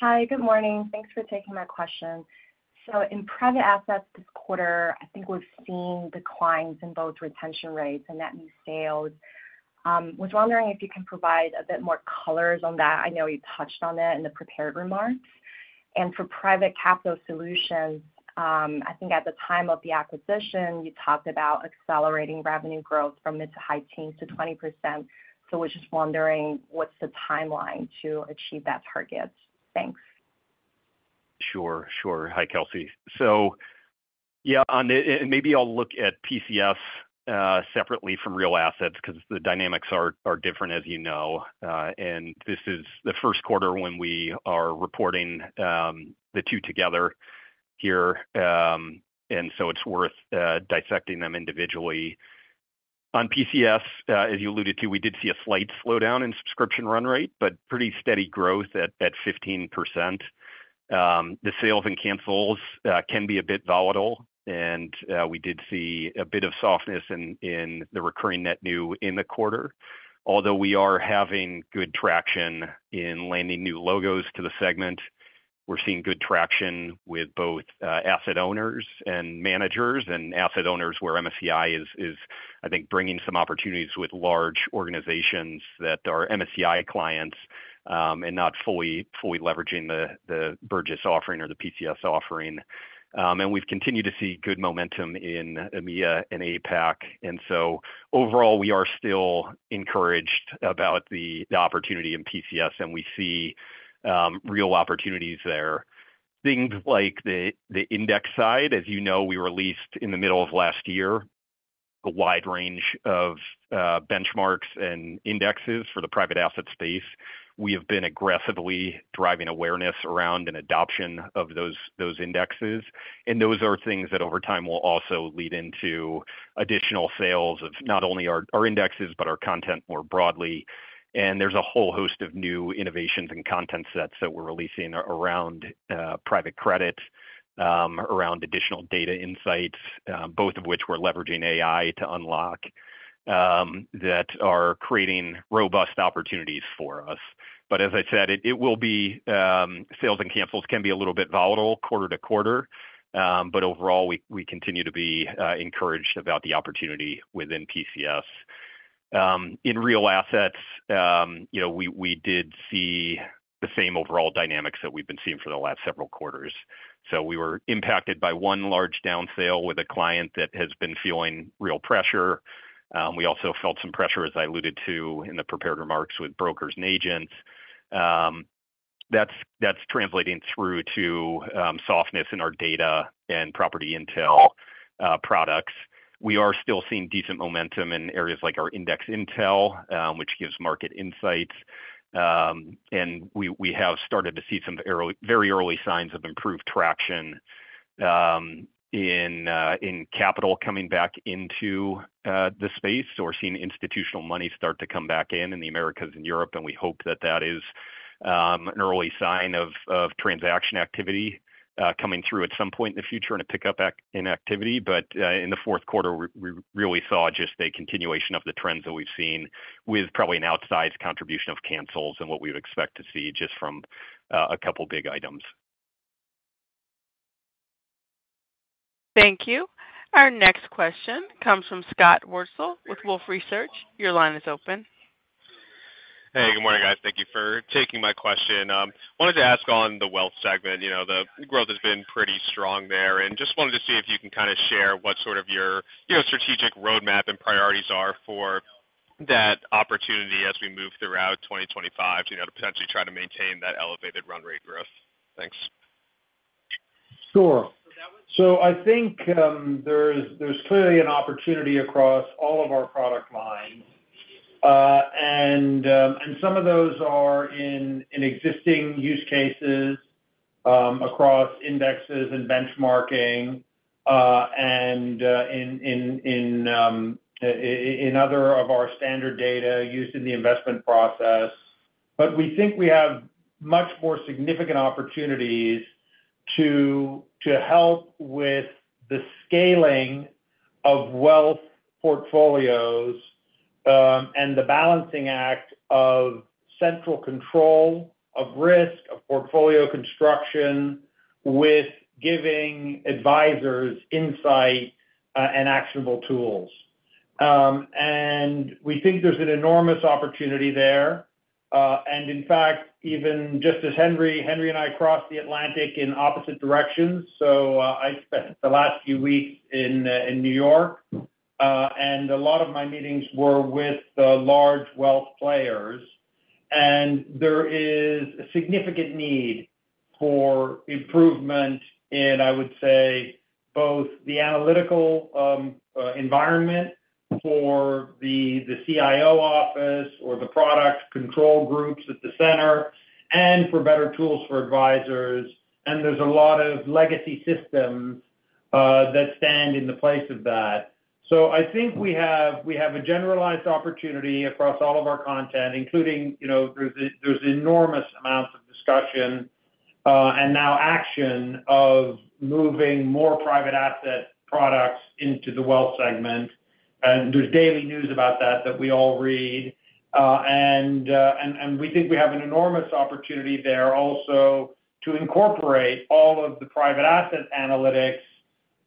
[SPEAKER 12] Hi, good morning. Thanks for taking my question. So in private assets this quarter, I think we've seen declines in both retention rates and run rates and sales. I was wondering if you can provide a bit more color on that. I know you touched on that in the prepared remarks. And for Private Capital Solutions, I think at the time of the acquisition, you talked about accelerating revenue growth from mid- to high-teens to 20%. So we're just wondering what's the timeline to achieve that target. Thanks.
[SPEAKER 5] Sure. Sure. Hi, Kelsey. So yeah, and maybe I'll look at PCS separately from Real Assets because the dynamics are different, as you know. And this is the first quarter when we are reporting the two together here. And so it's worth dissecting them individually. On PCS, as you alluded to, we did see a slight slowdown in subscription run rate, but pretty steady growth at 15%. The sales and cancels can be a bit volatile. And we did see a bit of softness in the recurring net new in the quarter. Although we are having good traction in landing new logos to the segment, we're seeing good traction with both asset owners and managers. And asset owners where MSCI is, I think, bringing some opportunities with large organizations that are MSCI clients and not fully leveraging the Burgiss offering or the PCS offering. And we've continued to see good momentum in EMEA and APAC. And so overall, we are still encouraged about the opportunity in PCS, and we see real opportunities there. Things like the Index side, as you know. We released in the middle of last year a wide range of benchmarks and indexes for the private asset space. We have been aggressively driving awareness around and adoption of those indexes. And those are things that over time will also lead into additional sales of not only our indexes, but our content more broadly. And there's a whole host of new innovations and content sets that we're releasing around private credit, around additional data insights, both of which we're leveraging AI to unlock that are creating robust opportunities for us. But as I said, it will be sales and cancels can be a little bit volatile quarter to quarter. But overall, we continue to be encouraged about the opportunity within PCS. In Real Assets, we did see the same overall dynamics that we've been seeing for the last several quarters. So we were impacted by one large downsale with a client that has been feeling real pressure. We also felt some pressure, as I alluded to, in the prepared remarks with brokers and agents. That's translating through to softness in our data and Property Intel products. We are still seeing decent momentum in areas like our Index Intel, which gives market insights. And we have started to see some very early signs of improved traction in capital coming back into the space. So we're seeing institutional money start to come back in the Americas and Europe. We hope that that is an early sign of transaction activity coming through at some point in the future and a pickup in activity. In the fourth quarter, we really saw just a continuation of the trends that we've seen with probably an outsized contribution of cancels and what we would expect to see just from a couple of big items.
[SPEAKER 1] Thank you. Our next question comes from Scott Wurtzel with Wolfe Research. Your line is open.
[SPEAKER 13] Hey, good morning, guys. Thank you for taking my question. I wanted to ask on the wealth segment. The growth has been pretty strong there. And just wanted to see if you can kind of share what sort of your strategic roadmap and priorities are for that opportunity as we move throughout 2025 to potentially try to maintain that elevated run rate growth. Thanks.
[SPEAKER 4] Sure. So I think there's clearly an opportunity across all of our product lines. And some of those are in existing use cases across indexes and benchmarking and in other of our standard data used in the investment process. But we think we have much more significant opportunities to help with the scaling of wealth portfolios and the balancing act of central control of risk, of portfolio construction, with giving advisors insight and actionable tools. And we think there's an enormous opportunity there. And in fact, even just as Henry and I crossed the Atlantic in opposite directions. So I spent the last few weeks in New York, and a lot of my meetings were with large wealth players. There is a significant need for improvement in, I would say, both the analytical environment for the CIO office or the product control groups at the center and for better tools for advisors. There is a lot of legacy systems that stand in the place of that. I think we have a generalized opportunity across all of our content, including there is enormous amounts of discussion and now action of moving more private asset products into the wealth segment. There is daily news about that that we all read. We think we have an enormous opportunity there also to incorporate all of the private asset analytics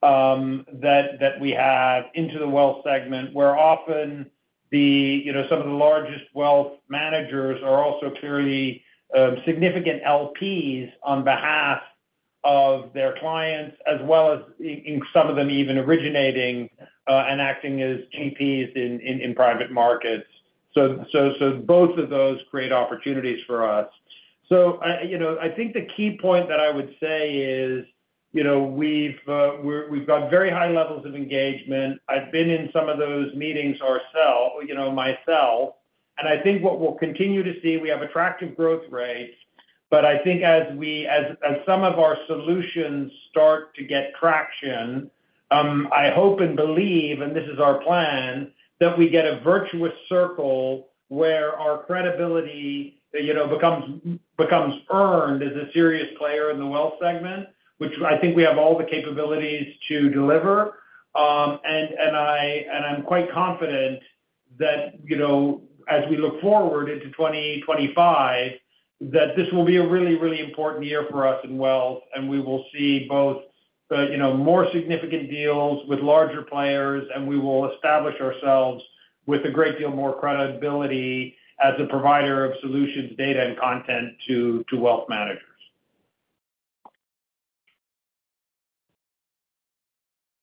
[SPEAKER 4] that we have into the wealth segment, where often some of the largest wealth managers are also clearly significant LPs on behalf of their clients, as well as some of them even originating and acting as GPs in private markets. Both of those create opportunities for us. I think the key point that I would say is we've got very high levels of engagement. I've been in some of those meetings myself. I think what we'll continue to see, we have attractive growth rates. But I think as some of our solutions start to get traction, I hope and believe, and this is our plan, that we get a virtuous circle where our credibility becomes earned as a serious player in the wealth segment, which I think we have all the capabilities to deliver. I'm quite confident that as we look forward into 2025, that this will be a really, really important year for us in wealth. We will see both more significant deals with larger players, and we will establish ourselves with a great deal more credibility as a provider of solutions, data, and content to wealth managers.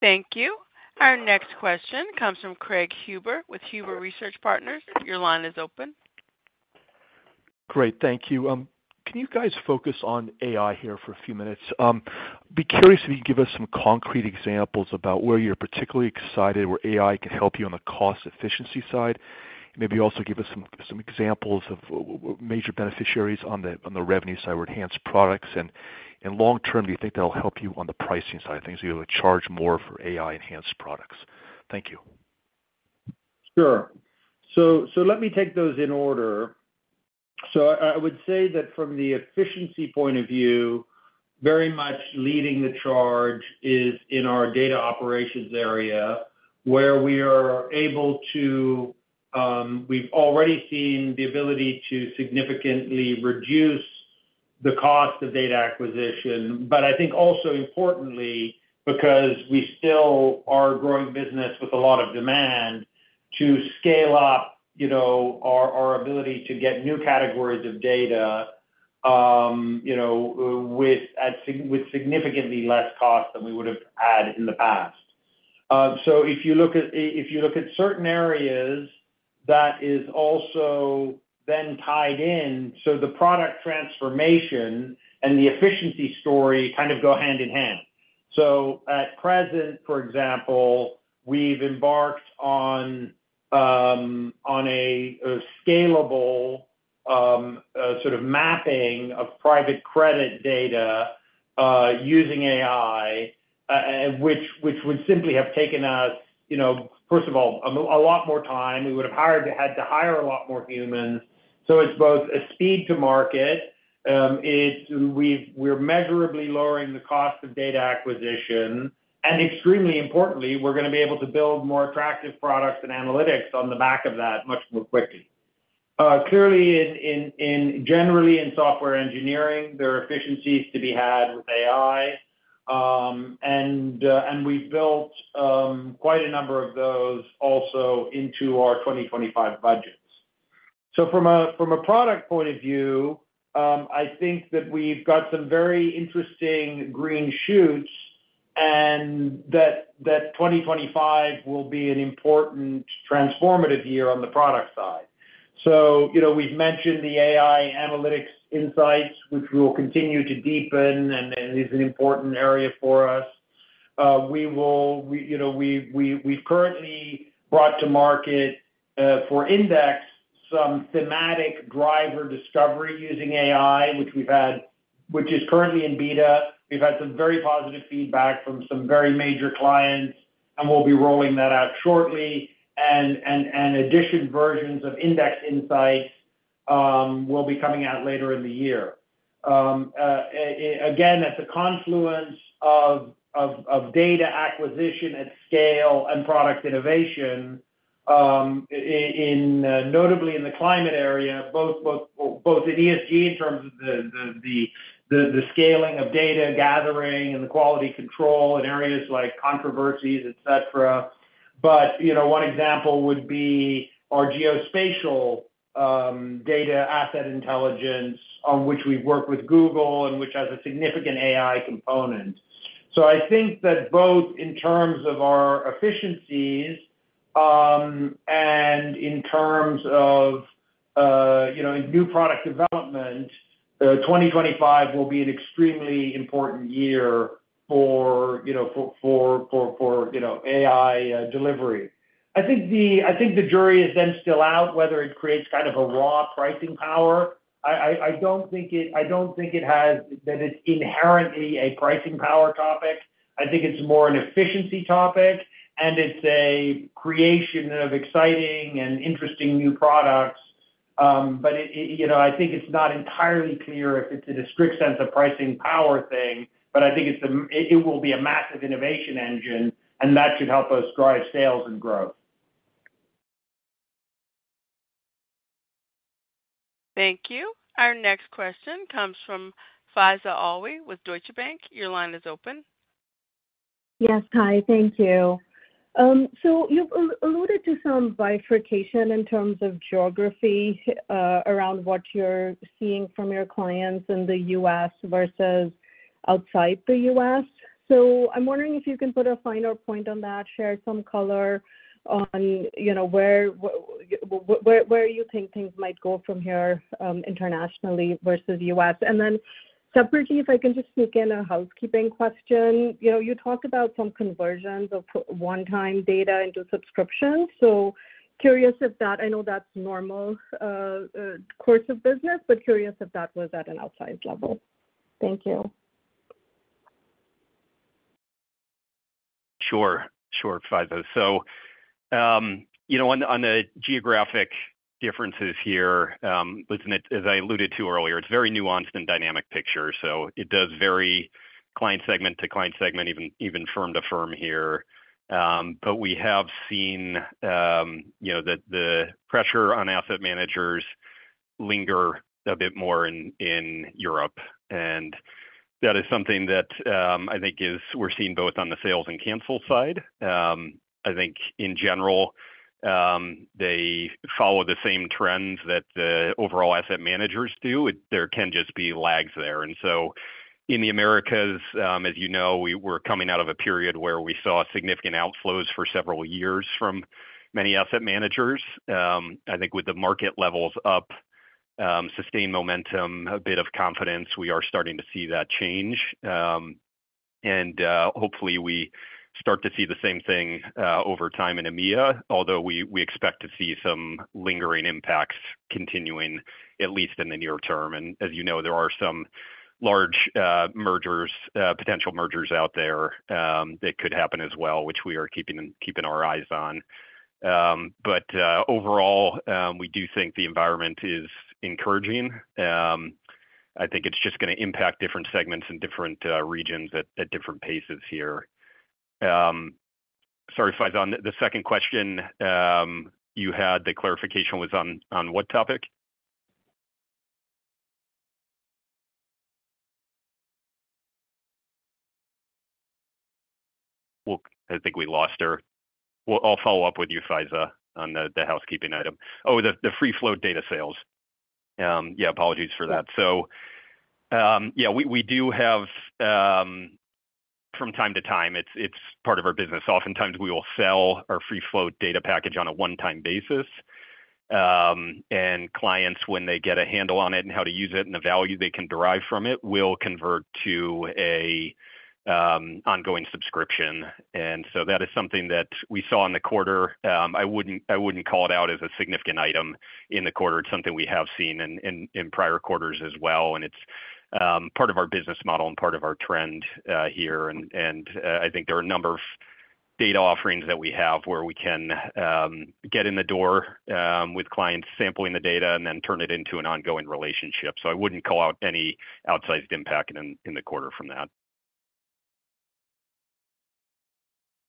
[SPEAKER 1] Thank you. Our next question comes from Craig Huber with Huber Research Partners. Your line is open.
[SPEAKER 14] Great. Thank you. Can you guys focus on AI here for a few minutes? I'd be curious if you could give us some concrete examples about where you're particularly excited, where AI can help you on the cost efficiency side. Maybe you also give us some examples of major beneficiaries on the revenue side where enhanced products and long-term, do you think that'll help you on the pricing side of things? Are you able to charge more for AI-enhanced products? Thank you.
[SPEAKER 4] Sure. So let me take those in order. So I would say that from the efficiency point of view, very much leading the charge is in our data operations area where we are able to. We've already seen the ability to significantly reduce the cost of data acquisition. But I think also importantly, because we still are a growing business with a lot of demand, to scale up our ability to get new categories of data with significantly less cost than we would have had in the past. So if you look at certain areas, that is also then tied in. So the product transformation and the efficiency story kind of go hand in hand. So at present, for example, we've embarked on a scalable sort of mapping of private credit data using AI, which would simply have taken us, first of all, a lot more time. We would have had to hire a lot more humans. So it's both a speed to market. We're measurably lowering the cost of data acquisition. And extremely importantly, we're going to be able to build more attractive products and analytics on the back of that much more quickly. Clearly, generally in software engineering, there are efficiencies to be had with AI. And we've built quite a number of those also into our 2025 budgets. So from a product point of view, I think that we've got some very interesting green shoots and that 2025 will be an important transformative year on the product side. So we've mentioned the AI analytics insights, which we will continue to deepen and is an important area for us. We've currently brought to market for Index some thematic driver discovery using AI, which is currently in beta. We've had some very positive feedback from some very major clients, and we'll be rolling that out shortly. And additional versions of Index Insights will be coming out later in the year. Again, at the confluence of data acquisition at scale and product innovation, notably in the climate area, both in ESG in terms of the scaling of data gathering and the quality control in areas like controversies, etc. But one example would be our Geospatial Data Asset Intelligence, which we've worked with Google and which has a significant AI component. So I think that both in terms of our efficiencies and in terms of new product development, 2025 will be an extremely important year for AI delivery. I think the jury is then still out whether it creates kind of a raw pricing power. I don't think it has that it's inherently a pricing power topic. I think it's more an efficiency topic, and it's a creation of exciting and interesting new products. But I think it's not entirely clear if it's in a strict sense of pricing power thing, but I think it will be a massive innovation engine, and that should help us drive sales and growth.
[SPEAKER 1] Thank you. Our next question comes from Faiza Alwy with Deutsche Bank. Your line is open. Yes, hi. Thank you. So you've alluded to some bifurcation in terms of geography around what you're seeing from your clients in the U.S. versus outside the U.S. So I'm wondering if you can put a finer point on that, share some color on where you think things might go from here internationally versus the U.S. And then separately, if I can just sneak in a housekeeping question. You talked about some conversions of one-time data into subscriptions. So, I know that's normal course of business, but curious if that was at an outsized level. Thank you.
[SPEAKER 5] Sure. Sure, Faiza. So on the geographic differences here, as I alluded to earlier, it's a very nuanced and dynamic picture. So it does vary client segment to client segment, even firm to firm here. But we have seen that the pressure on asset managers linger a bit more in Europe. And that is something that I think we're seeing both on the sales and cancel side. I think in general, they follow the same trends that the overall asset managers do. There can just be lags there. And so in the Americas, as you know, we're coming out of a period where we saw significant outflows for several years from many asset managers. I think with the market levels up, sustained momentum, a bit of confidence, we are starting to see that change. And hopefully, we start to see the same thing over time in EMEA, although we expect to see some lingering impacts continuing, at least in the near term. And as you know, there are some large potential mergers out there that could happen as well, which we are keeping our eyes on. But overall, we do think the environment is encouraging. I think it's just going to impact different segments and different regions at different paces here. Sorry, Faiza. The second question you had, the clarification was on what topic? I think we lost her. Well, I'll follow up with you, Faiza, on the housekeeping item. Oh, the free flow data sales. Yeah, apologies for that. So yeah, we do have from time to time, it's part of our business. Oftentimes, we will sell our free float data package on a one-time basis. And clients, when they get a handle on it and how to use it and the value they can derive from it, will convert to an ongoing subscription. And so that is something that we saw in the quarter. I wouldn't call it out as a significant item in the quarter. It's something we have seen in prior quarters as well. And it's part of our business model and part of our trend here. And I think there are a number of data offerings that we have where we can get in the door with clients sampling the data and then turn it into an ongoing relationship. So I wouldn't call out any outsized impact in the quarter from that.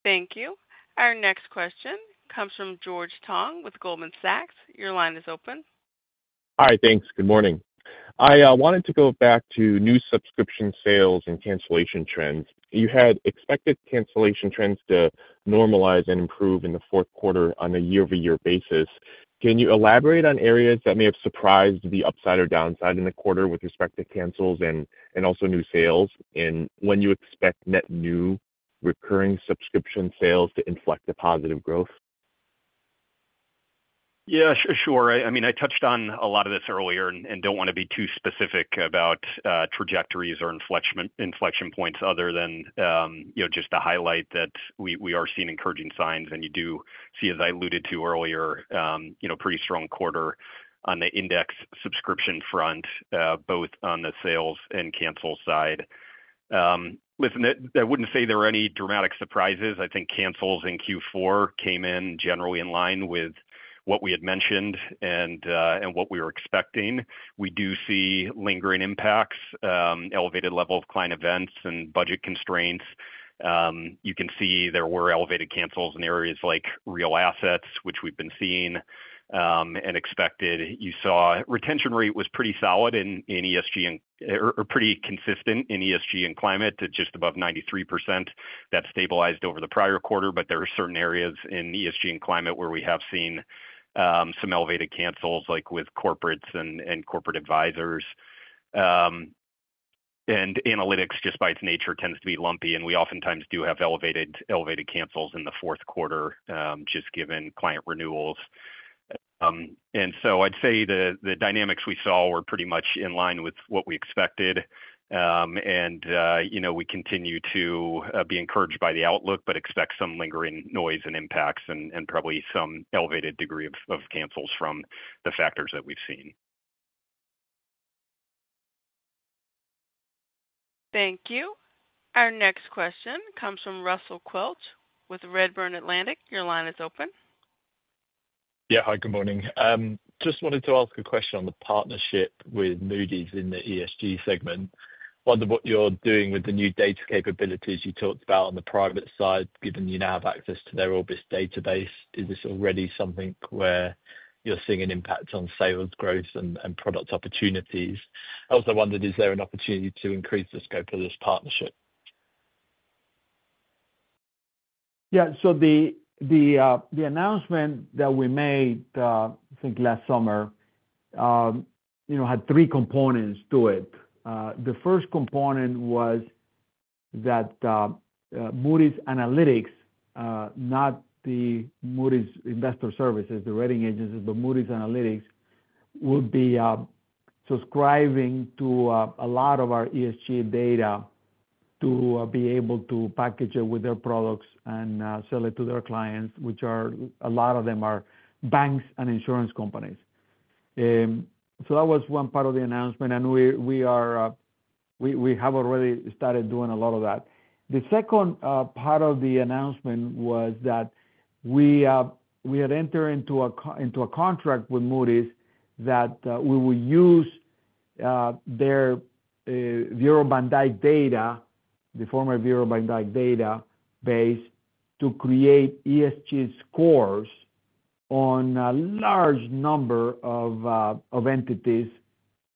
[SPEAKER 1] Thank you. Our next question comes from George Tong with Goldman Sachs. Your line is open.
[SPEAKER 15] Hi, thanks. Good morning. I wanted to go back to new subscription sales and cancellation trends. You had expected cancellation trends to normalize and improve in the fourth quarter on a year-over-year basis. Can you elaborate on areas that may have surprised the upside or downside in the quarter with respect to cancels and also new sales? And when you expect net new recurring subscription sales to inflect the positive growth?
[SPEAKER 5] Yeah, sure. I mean, I touched on a lot of this earlier and don't want to be too specific about trajectories or inflection points other than just to highlight that we are seeing encouraging signs, and you do see, as I alluded to earlier, a pretty strong quarter on the index subscription front, both on the sales and cancel side. I wouldn't say there are any dramatic surprises. I think cancels in Q4 came in generally in line with what we had mentioned and what we were expecting. We do see lingering impacts, elevated level of client events, and budget constraints. You can see there were elevated cancels in areas like Real Assets, which we've been seeing and expected. You saw retention rate was pretty solid in ESG or pretty consistent in ESG and Climate to just above 93%. That stabilized over the prior quarter. But there are certain areas in ESG and Climate where we have seen some elevated cancels, like with corporates and corporate advisors. And analytics, just by its nature, tends to be lumpy. And we oftentimes do have elevated cancels in the fourth quarter just given client renewals. And so I'd say the dynamics we saw were pretty much in line with what we expected. And we continue to be encouraged by the outlook, but expect some lingering noise and impacts and probably some elevated degree of cancels from the factors that we've seen.
[SPEAKER 1] Thank you. Our next question comes from Russell Quelch with Redburn Atlantic. Your line is open.
[SPEAKER 16] Yeah, hi. Good morning. Just wanted to ask a question on the partnership with Moody's in the ESG segment. Wonder what you're doing with the new data capabilities you talked about on the private side, given you now have access to their Orbis database. Is this already something where you're seeing an impact on sales growth and product opportunities? I also wondered, is there an opportunity to increase the scope of this partnership?
[SPEAKER 3] Yeah. So the announcement that we made, I think last summer, had three components to it. The first component was that Moody's Analytics, not the Moody's Investors Service, the rating agencies, but Moody's Analytics would be subscribing to a lot of our ESG data to be able to package it with their products and sell it to their clients, which a lot of them are banks and insurance companies. So that was one part of the announcement, and we have already started doing a lot of that. The second part of the announcement was that we had entered into a contract with Moody's that we would use their Bureau van Dijk data, the former Bureau van Dijk database, to create ESG scores on a large number of entities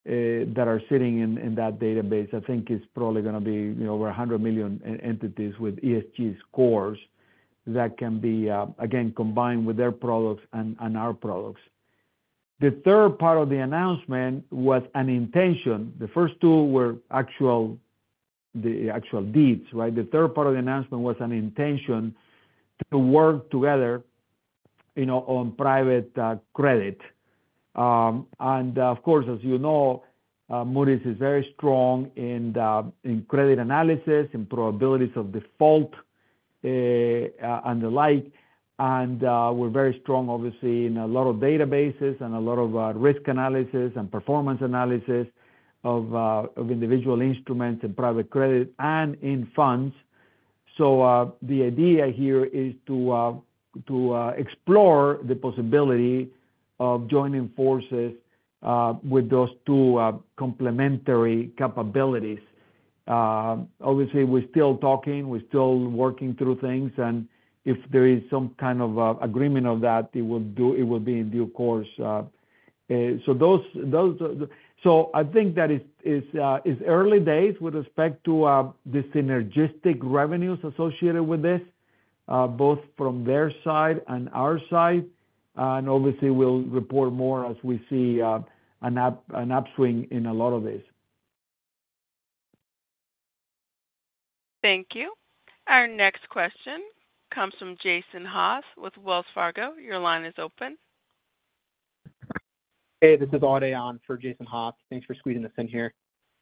[SPEAKER 3] that are sitting in that database. I think it's probably going to be over 100 million entities with ESG scores that can be, again, combined with their products and our products. The third part of the announcement was an intention. The first two were the actual deeds, right? The third part of the announcement was an intention to work together on private credit. And of course, as you know, Moody's is very strong in credit analysis and probabilities of default and the like. And we're very strong, obviously, in a lot of databases and a lot of risk analysis and performance analysis of individual instruments and private credit and in funds. So the idea here is to explore the possibility of joining forces with those two complementary capabilities. Obviously, we're still talking. We're still working through things. And if there is some kind of agreement of that, it will be in due course. So I think that it's early days with respect to the synergistic revenues associated with this, both from their side and our side. And obviously, we'll report more as we see an upswing in a lot of this.
[SPEAKER 1] Thank you. Our next question comes from Jason Haas with Wells Fargo. Your line is open.
[SPEAKER 17] Hey, this is Adriana for Jason Haas. Thanks for squeezing us in here.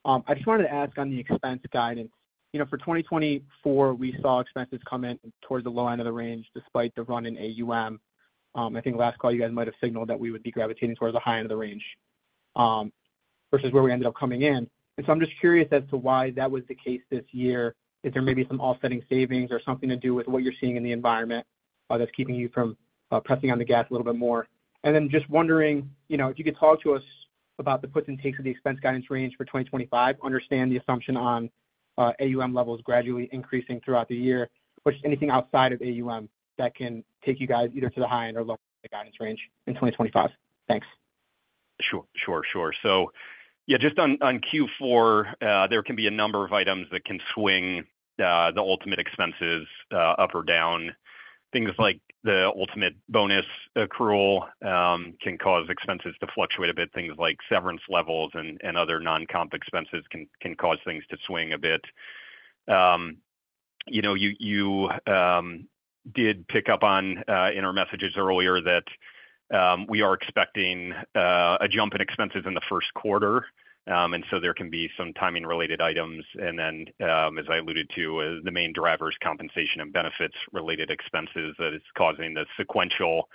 [SPEAKER 17] I just wanted to ask on the expense guidance. For 2024, we saw expenses come in toward the low end of the range despite the run in AUM. I think last call, you guys might have signaled that we would be gravitating toward the high end of the range versus where we ended up coming in. And so I'm just curious as to why that was the case this year. Is there maybe some offsetting savings or something to do with what you're seeing in the environment that's keeping you from pressing on the gas a little bit more? And then just wondering if you could talk to us about the puts and takes of the expense guidance range for 2025, understand the assumption on AUM levels gradually increasing throughout the year, but just anything outside of AUM that can take you guys either to the high end or low end of the guidance range in 2025? Thanks.
[SPEAKER 5] Sure. So yeah, just on Q4, there can be a number of items that can swing the ultimate expenses up or down. Things like the ultimate bonus accrual can cause expenses to fluctuate a bit. Things like severance levels and other non-comp expenses can cause things to swing a bit. You did pick up on in our messages earlier that we are expecting a jump in expenses in the first quarter, and so there can be some timing-related items, and then, as I alluded to, the main driver is compensation and benefits-related expenses that is causing the sequential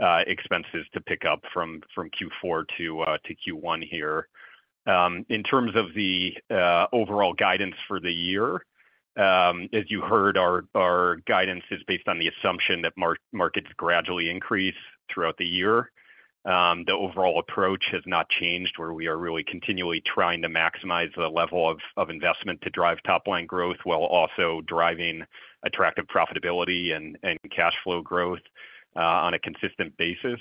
[SPEAKER 5] expenses to pick up from Q4 to Q1 here. In terms of the overall guidance for the year, as you heard, our guidance is based on the assumption that markets gradually increase throughout the year. The overall approach has not changed, where we are really continually trying to maximize the level of investment to drive top-line growth while also driving attractive profitability and cash flow growth on a consistent basis.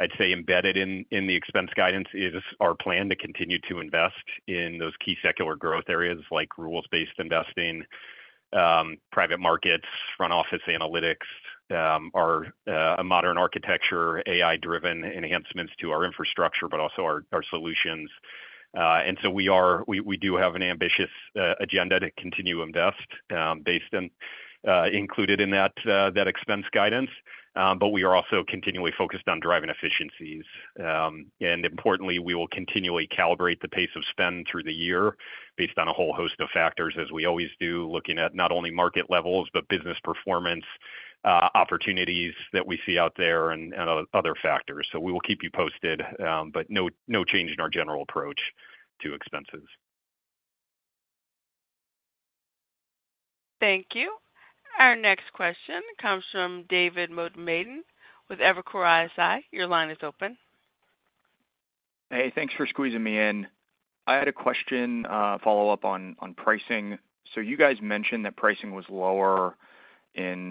[SPEAKER 5] I'd say embedded in the expense guidance is our plan to continue to invest in those key secular growth areas like rules-based investing, private markets, front-office analytics, our modern architecture, AI-driven enhancements to our infrastructure, but also our solutions. And so we do have an ambitious agenda to continue to invest based and included in that expense guidance. But we are also continually focused on driving efficiencies. And importantly, we will continually calibrate the pace of spend through the year based on a whole host of factors, as we always do, looking at not only market levels, but business performance opportunities that we see out there and other factors. So we will keep you posted, but no change in our general approach to expenses.
[SPEAKER 1] Thank you. Our next question comes from David Motemaden with Evercore ISI. Your line is open.
[SPEAKER 18] Hey, thanks for squeezing me in. I had a question follow-up on pricing. So you guys mentioned that pricing was lower in.